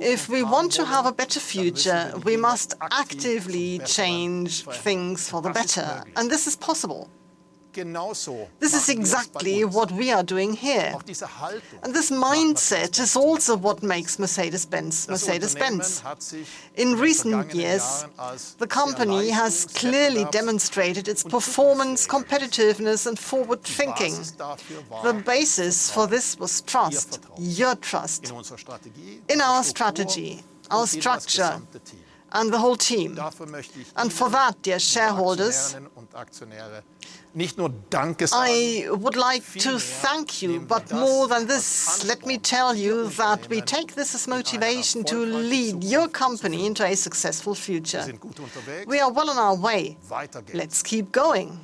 If we want to have a better future, we must actively change things for the better, and this is possible. This is exactly what we are doing here, and this mindset is also what makes Mercedes-Benz, Mercedes-Benz. In recent years, the company has clearly demonstrated its performance, competitiveness, and forward-thinking. The basis for this was trust, your trust, in our strategy, our structure, and the whole team. For that, dear shareholders, I would like to thank you. More than this, let me tell you that we take this as motivation to lead your company into a successful future. We are well on our way. Let's keep going.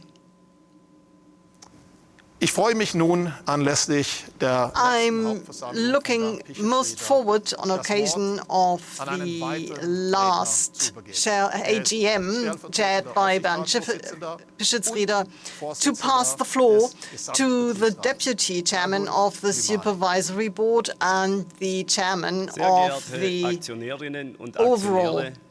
I'm looking most forward on occasion of the last AGM, chaired by Bernd Pischetsrieder, to pass the floor to the Deputy Chairman of the Supervisory Board and the Chairman of the overall works council.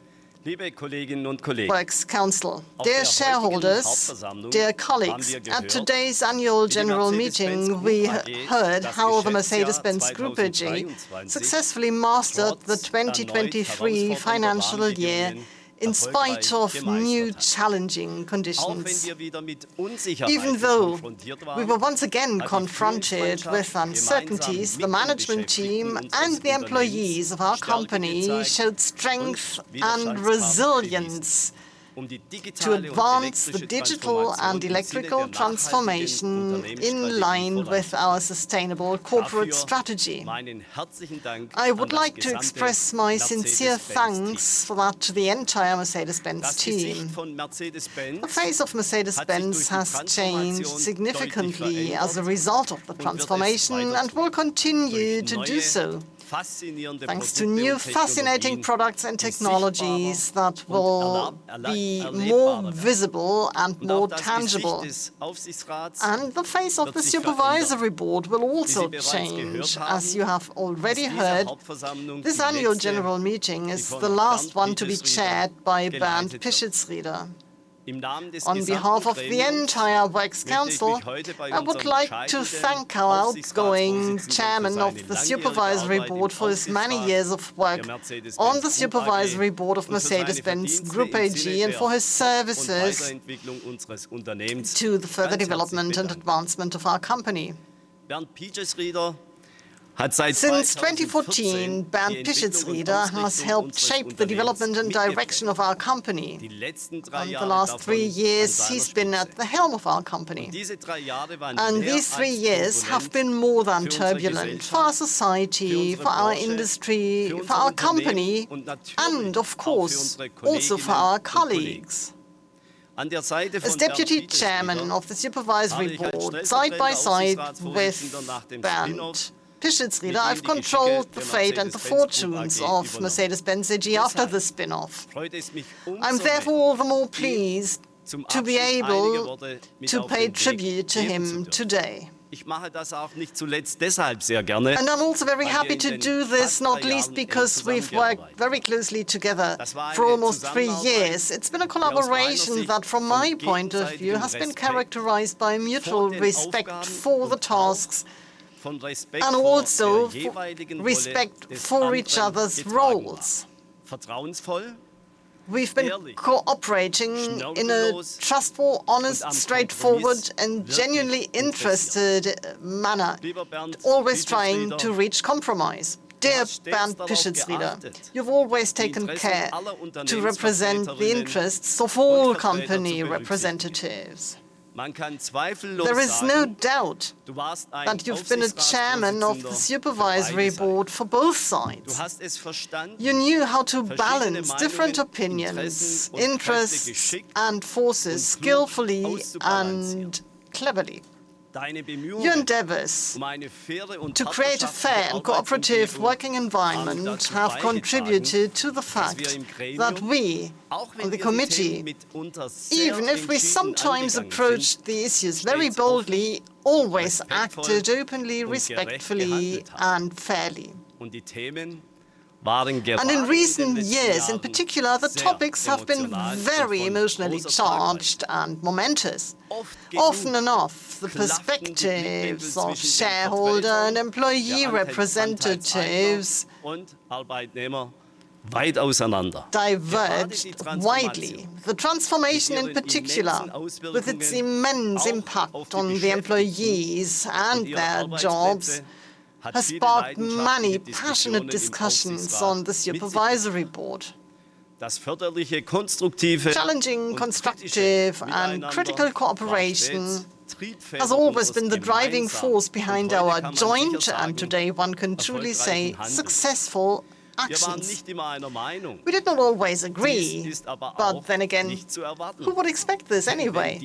Dear shareholders, dear colleagues, at today's annual general meeting, we heard how the Mercedes-Benz Group AG successfully mastered the 2023 financial year in spite of new challenging conditions. We were once again confronted with uncertainties, the management team and the employees of our company showed strength and resilience to advance the digital and electrical transformation in line with our sustainable corporate strategy. I would like to express my sincere thanks for that to the entire Mercedes-Benz team. The face of Mercedes-Benz has changed significantly as a result of the transformation and will continue to do so. Thanks to new fascinating products and technologies that will be more visible and more tangible. The face of the Supervisory Board will also change. As you have already heard, this Annual General Meeting is the last one to be chaired by Bernd Pischetsrieder. On behalf of the entire Works Council, I would like to thank our outgoing Chairman of the Supervisory Board for his many years of work on the Supervisory Board of Mercedes-Benz Group AG and for his services to the further development and advancement of our company. Since 2014, Bernd Pischetsrieder has helped shape the development and direction of our company. In the last three years, he's been at the helm of our company, and these three years have been more than turbulent for our society, for our industry, for our company, and of course, also for our colleagues. As Deputy Chairman of the Supervisory Board, side by side with Bernd Pischetsrieder, I've controlled the fate and the fortunes of Mercedes-Benz AG after the spin-off. I'm therefore all the more pleased to be able to pay tribute to him today. I'm also very happy to do this, not least because we've worked very closely together for almost three years. It's been a collaboration that, from my point of view, has been characterized by mutual respect for the tasks and also respect for each other's roles. We've been cooperating in a trustful, honest, straightforward, and genuinely interested manner, always trying to reach compromise. Dear Bernd Pischetsrieder, you've always taken care to represent the interests of all company representatives. There is no doubt that you've been a chairman of the supervisory board for both sides. You knew how to balance different opinions, interests, and forces skillfully and cleverly. Your endeavors to create a fair and cooperative working environment have contributed to the fact that we on the committee, even if we sometimes approached the issues very boldly, always acted openly, respectfully, and fairly. In recent years, in particular, the topics have been very emotionally charged and momentous. Often enough, the perspectives of shareholder and employee representatives diverged widely. The transformation in particular, with its immense impact on the employees and their jobs, has sparked many passionate discussions on the supervisory board. Challenging, constructive, and critical cooperation has always been the driving force behind our joint, and today one can truly say, successful actions. We did not always agree. Then again, who would expect this anyway?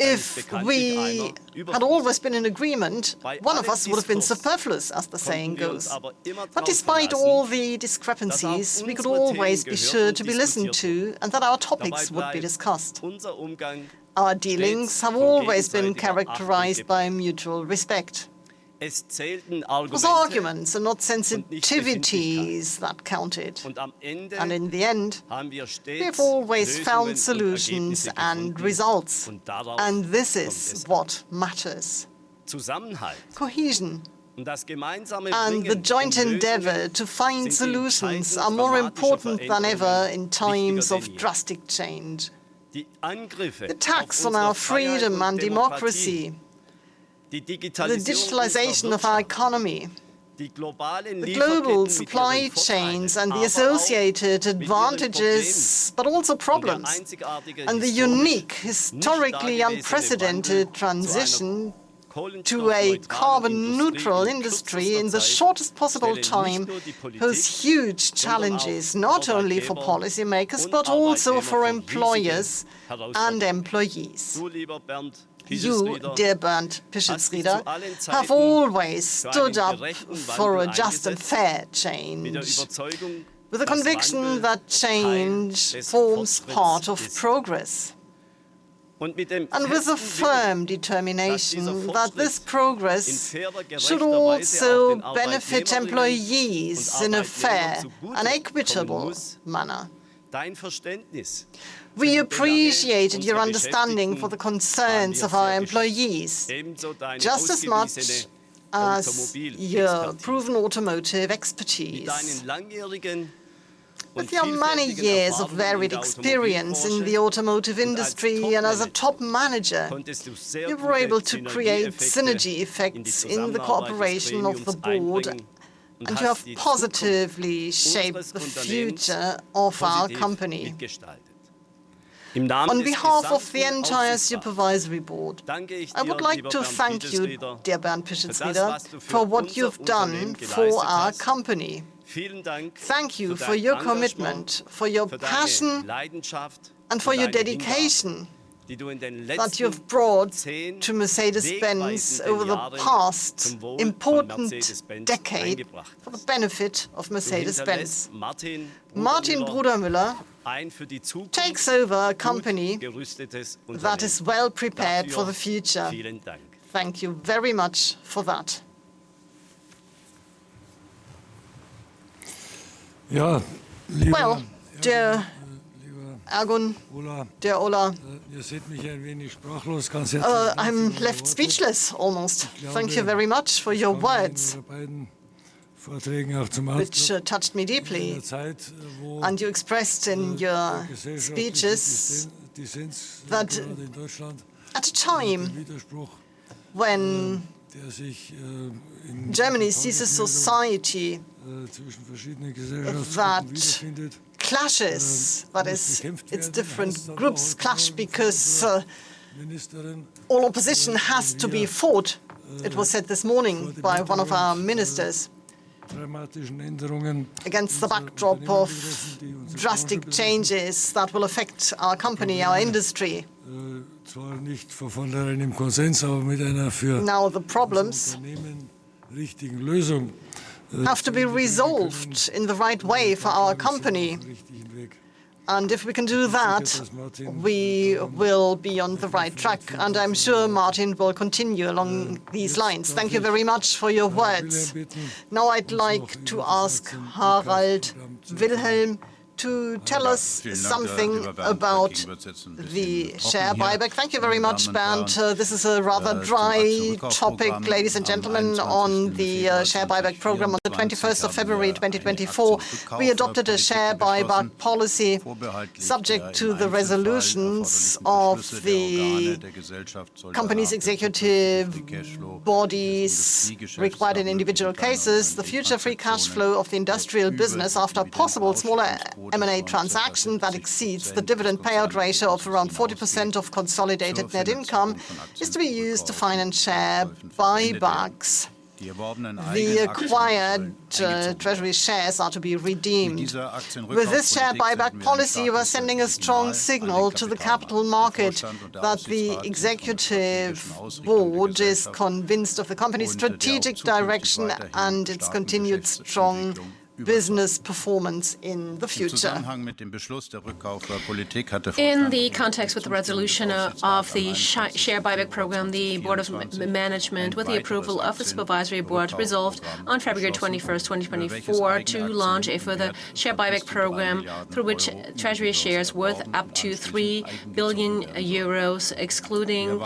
If we had always been in agreement, one of us would have been superfluous, as the saying goes. Despite all the discrepancies, we could always be sure to be listened to and that our topics would be discussed. Our dealings have always been characterized by mutual respect. It was arguments and not sensitivities that counted. In the end, we have always found solutions and results, and this is what matters. Cohesion and the joint endeavor to find solutions are more important than ever in times of drastic change. The attacks on our freedom and democracy, the digitalization of our economy, the global supply chains and the associated advantages, but also problems, and the unique, historically unprecedented transition to a carbon-neutral industry in the shortest possible time, pose huge challenges, not only for policymakers, but also for employers and employees. You, dear Bernd Pischetsrieder, have always stood up for a just and fair change, with the conviction that change forms part of progress and with a firm determination that this progress should also benefit employees in a fair and equitable manner. We appreciated your understanding for the concerns of our employees just as much as your proven automotive expertise. With your many years of varied experience in the automotive industry and as a top manager, you were able to create synergy effects in the cooperation of the board, and you have positively shaped the future of our company. On behalf of the entire supervisory board, I would like to thank you, dear Bernd Pischetsrieder, for what you've done for our company. Thank you for your commitment, for your passion, and for your dedication that you have brought to Mercedes-Benz over the past important decade for the benefit of Mercedes-Benz. Martin Brudermüller takes over a company that is well prepared for the future. Thank you very much for that. Well, dear Ergun, dear Ola, I'm left speechless almost. Thank you very much for your words, which touched me deeply. You expressed in your speeches that at a time when Germany sees a society that clashes, but it's different groups clash because all opposition has to be fought. It was said this morning by one of our ministers. Against the backdrop of drastic changes that will affect our company, our industry. The problems have to be resolved in the right way for our company. If we can do that, we will be on the right track. I'm sure Martin will continue along these lines. Thank you very much for your words. I'd like to ask Harald Wilhelm. To tell us something about the share buyback. Thank you very much, Bernd. This is a rather dry topic, ladies and gentlemen, on the share buyback program. On the 21st of February 2024, we adopted a share buyback policy subject to the resolutions of the company's executive bodies required in individual cases. The future Free Cash Flow of the industrial business after possible smaller M&A transaction that exceeds the dividend payout ratio of around 40% of consolidated net income is to be used to finance share buybacks. The acquired treasury shares are to be redeemed. With this share buyback policy, we're sending a strong signal to the capital market that the executive board is convinced of the company's strategic direction and its continued strong business performance in the future. In the context with the resolution of the share buyback program, the Board of Management, with the approval of the Supervisory Board, resolved on February 21st, 2024, to launch a further share buyback program through which treasury shares worth up to 3 billion euros, excluding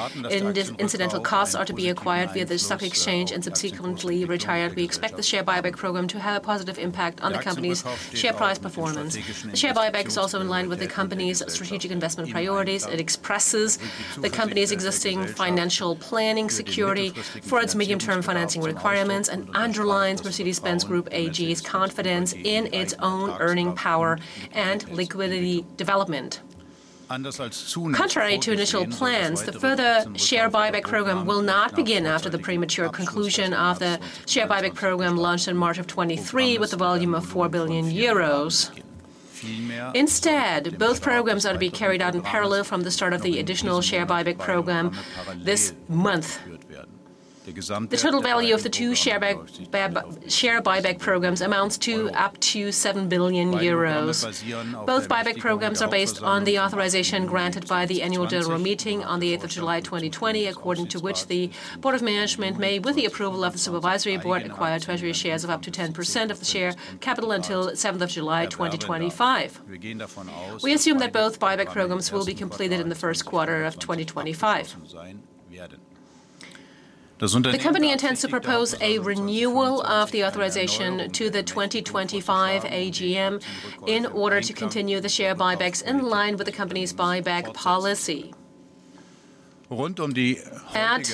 incidental costs, are to be acquired via the stock exchange and subsequently retired. We expect the share buyback program to have a positive impact on the company's share price performance. The share buyback is also in line with the company's strategic investment priorities. It expresses the company's existing financial planning security for its medium-term financing requirements and underlines Mercedes-Benz Group AG's confidence in its own earning power and liquidity development. Contrary to initial plans, the further share buyback program will not begin after the premature conclusion of the share buyback program launched in March 2023 with a volume of 4 billion euros. Instead, both programs are to be carried out in parallel from the start of the additional share buyback program this month. The total value of the two share buyback programs amounts to up to 7 billion euros. Both buyback programs are based on the authorization granted by the annual general meeting on the 8th of July, 2020, according to which the board of management may, with the approval of the supervisory board, acquire treasury shares of up to 10% of the share capital until 7th of July 2025. We assume that both buyback programs will be completed in the first quarter of 2025. The company intends to propose a renewal of the authorization to the 2025 AGM in order to continue the share buybacks in line with the company's buyback policy. At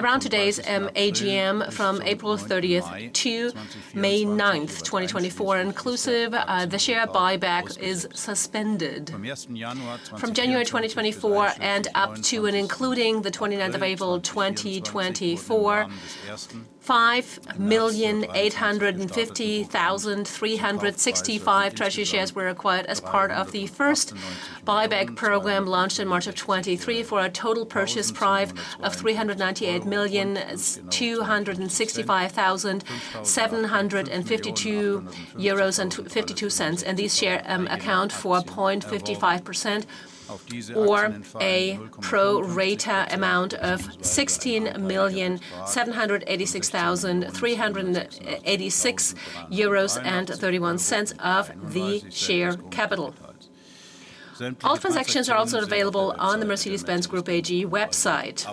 around today's AGM, from April 30th to May 9th, 2024 inclusive, the share buyback is suspended. From January 2024 and up to and including the 29th of April 2024, 5,850,365 treasury shares were acquired as part of the first buyback program launched in March of 2023 for a total purchase price of 398,265,752.52 euros. These share account for 0.55% or a pro rata amount of 16,786,386.31 euros of the share capital. All transactions are also available on the Mercedes-Benz Group AG website.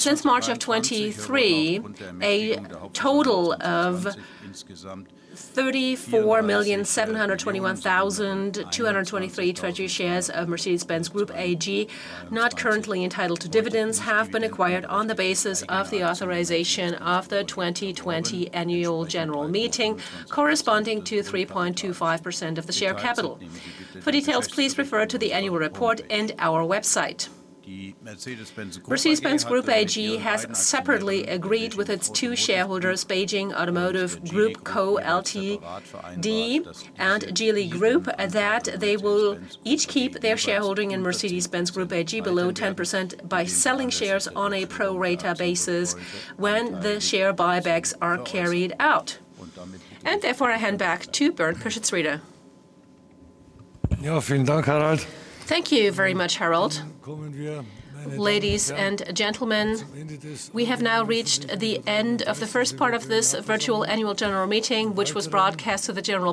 Since March of 2023, a total of 34,721,223 treasury shares of Mercedes-Benz Group AG, not currently entitled to dividends, have been acquired on the basis of the authorization of the 2020 annual general meeting, corresponding to 3.25% of the share capital. For details, please refer to the annual report and our website. Mercedes-Benz Group AG has separately agreed with its 2 shareholders, Beijing Automotive Group Co., Ltd and Geely Group, that they will each keep their shareholding in Mercedes-Benz Group AG below 10% by selling shares on a pro rata basis when the share buybacks are carried out. Therefore, I hand back to Bernd Pischetsrieder. Thank you very much, Harald. Ladies and gentlemen, we have now reached the end of the first part of this virtual annual general meeting, which was broadcast to the general-.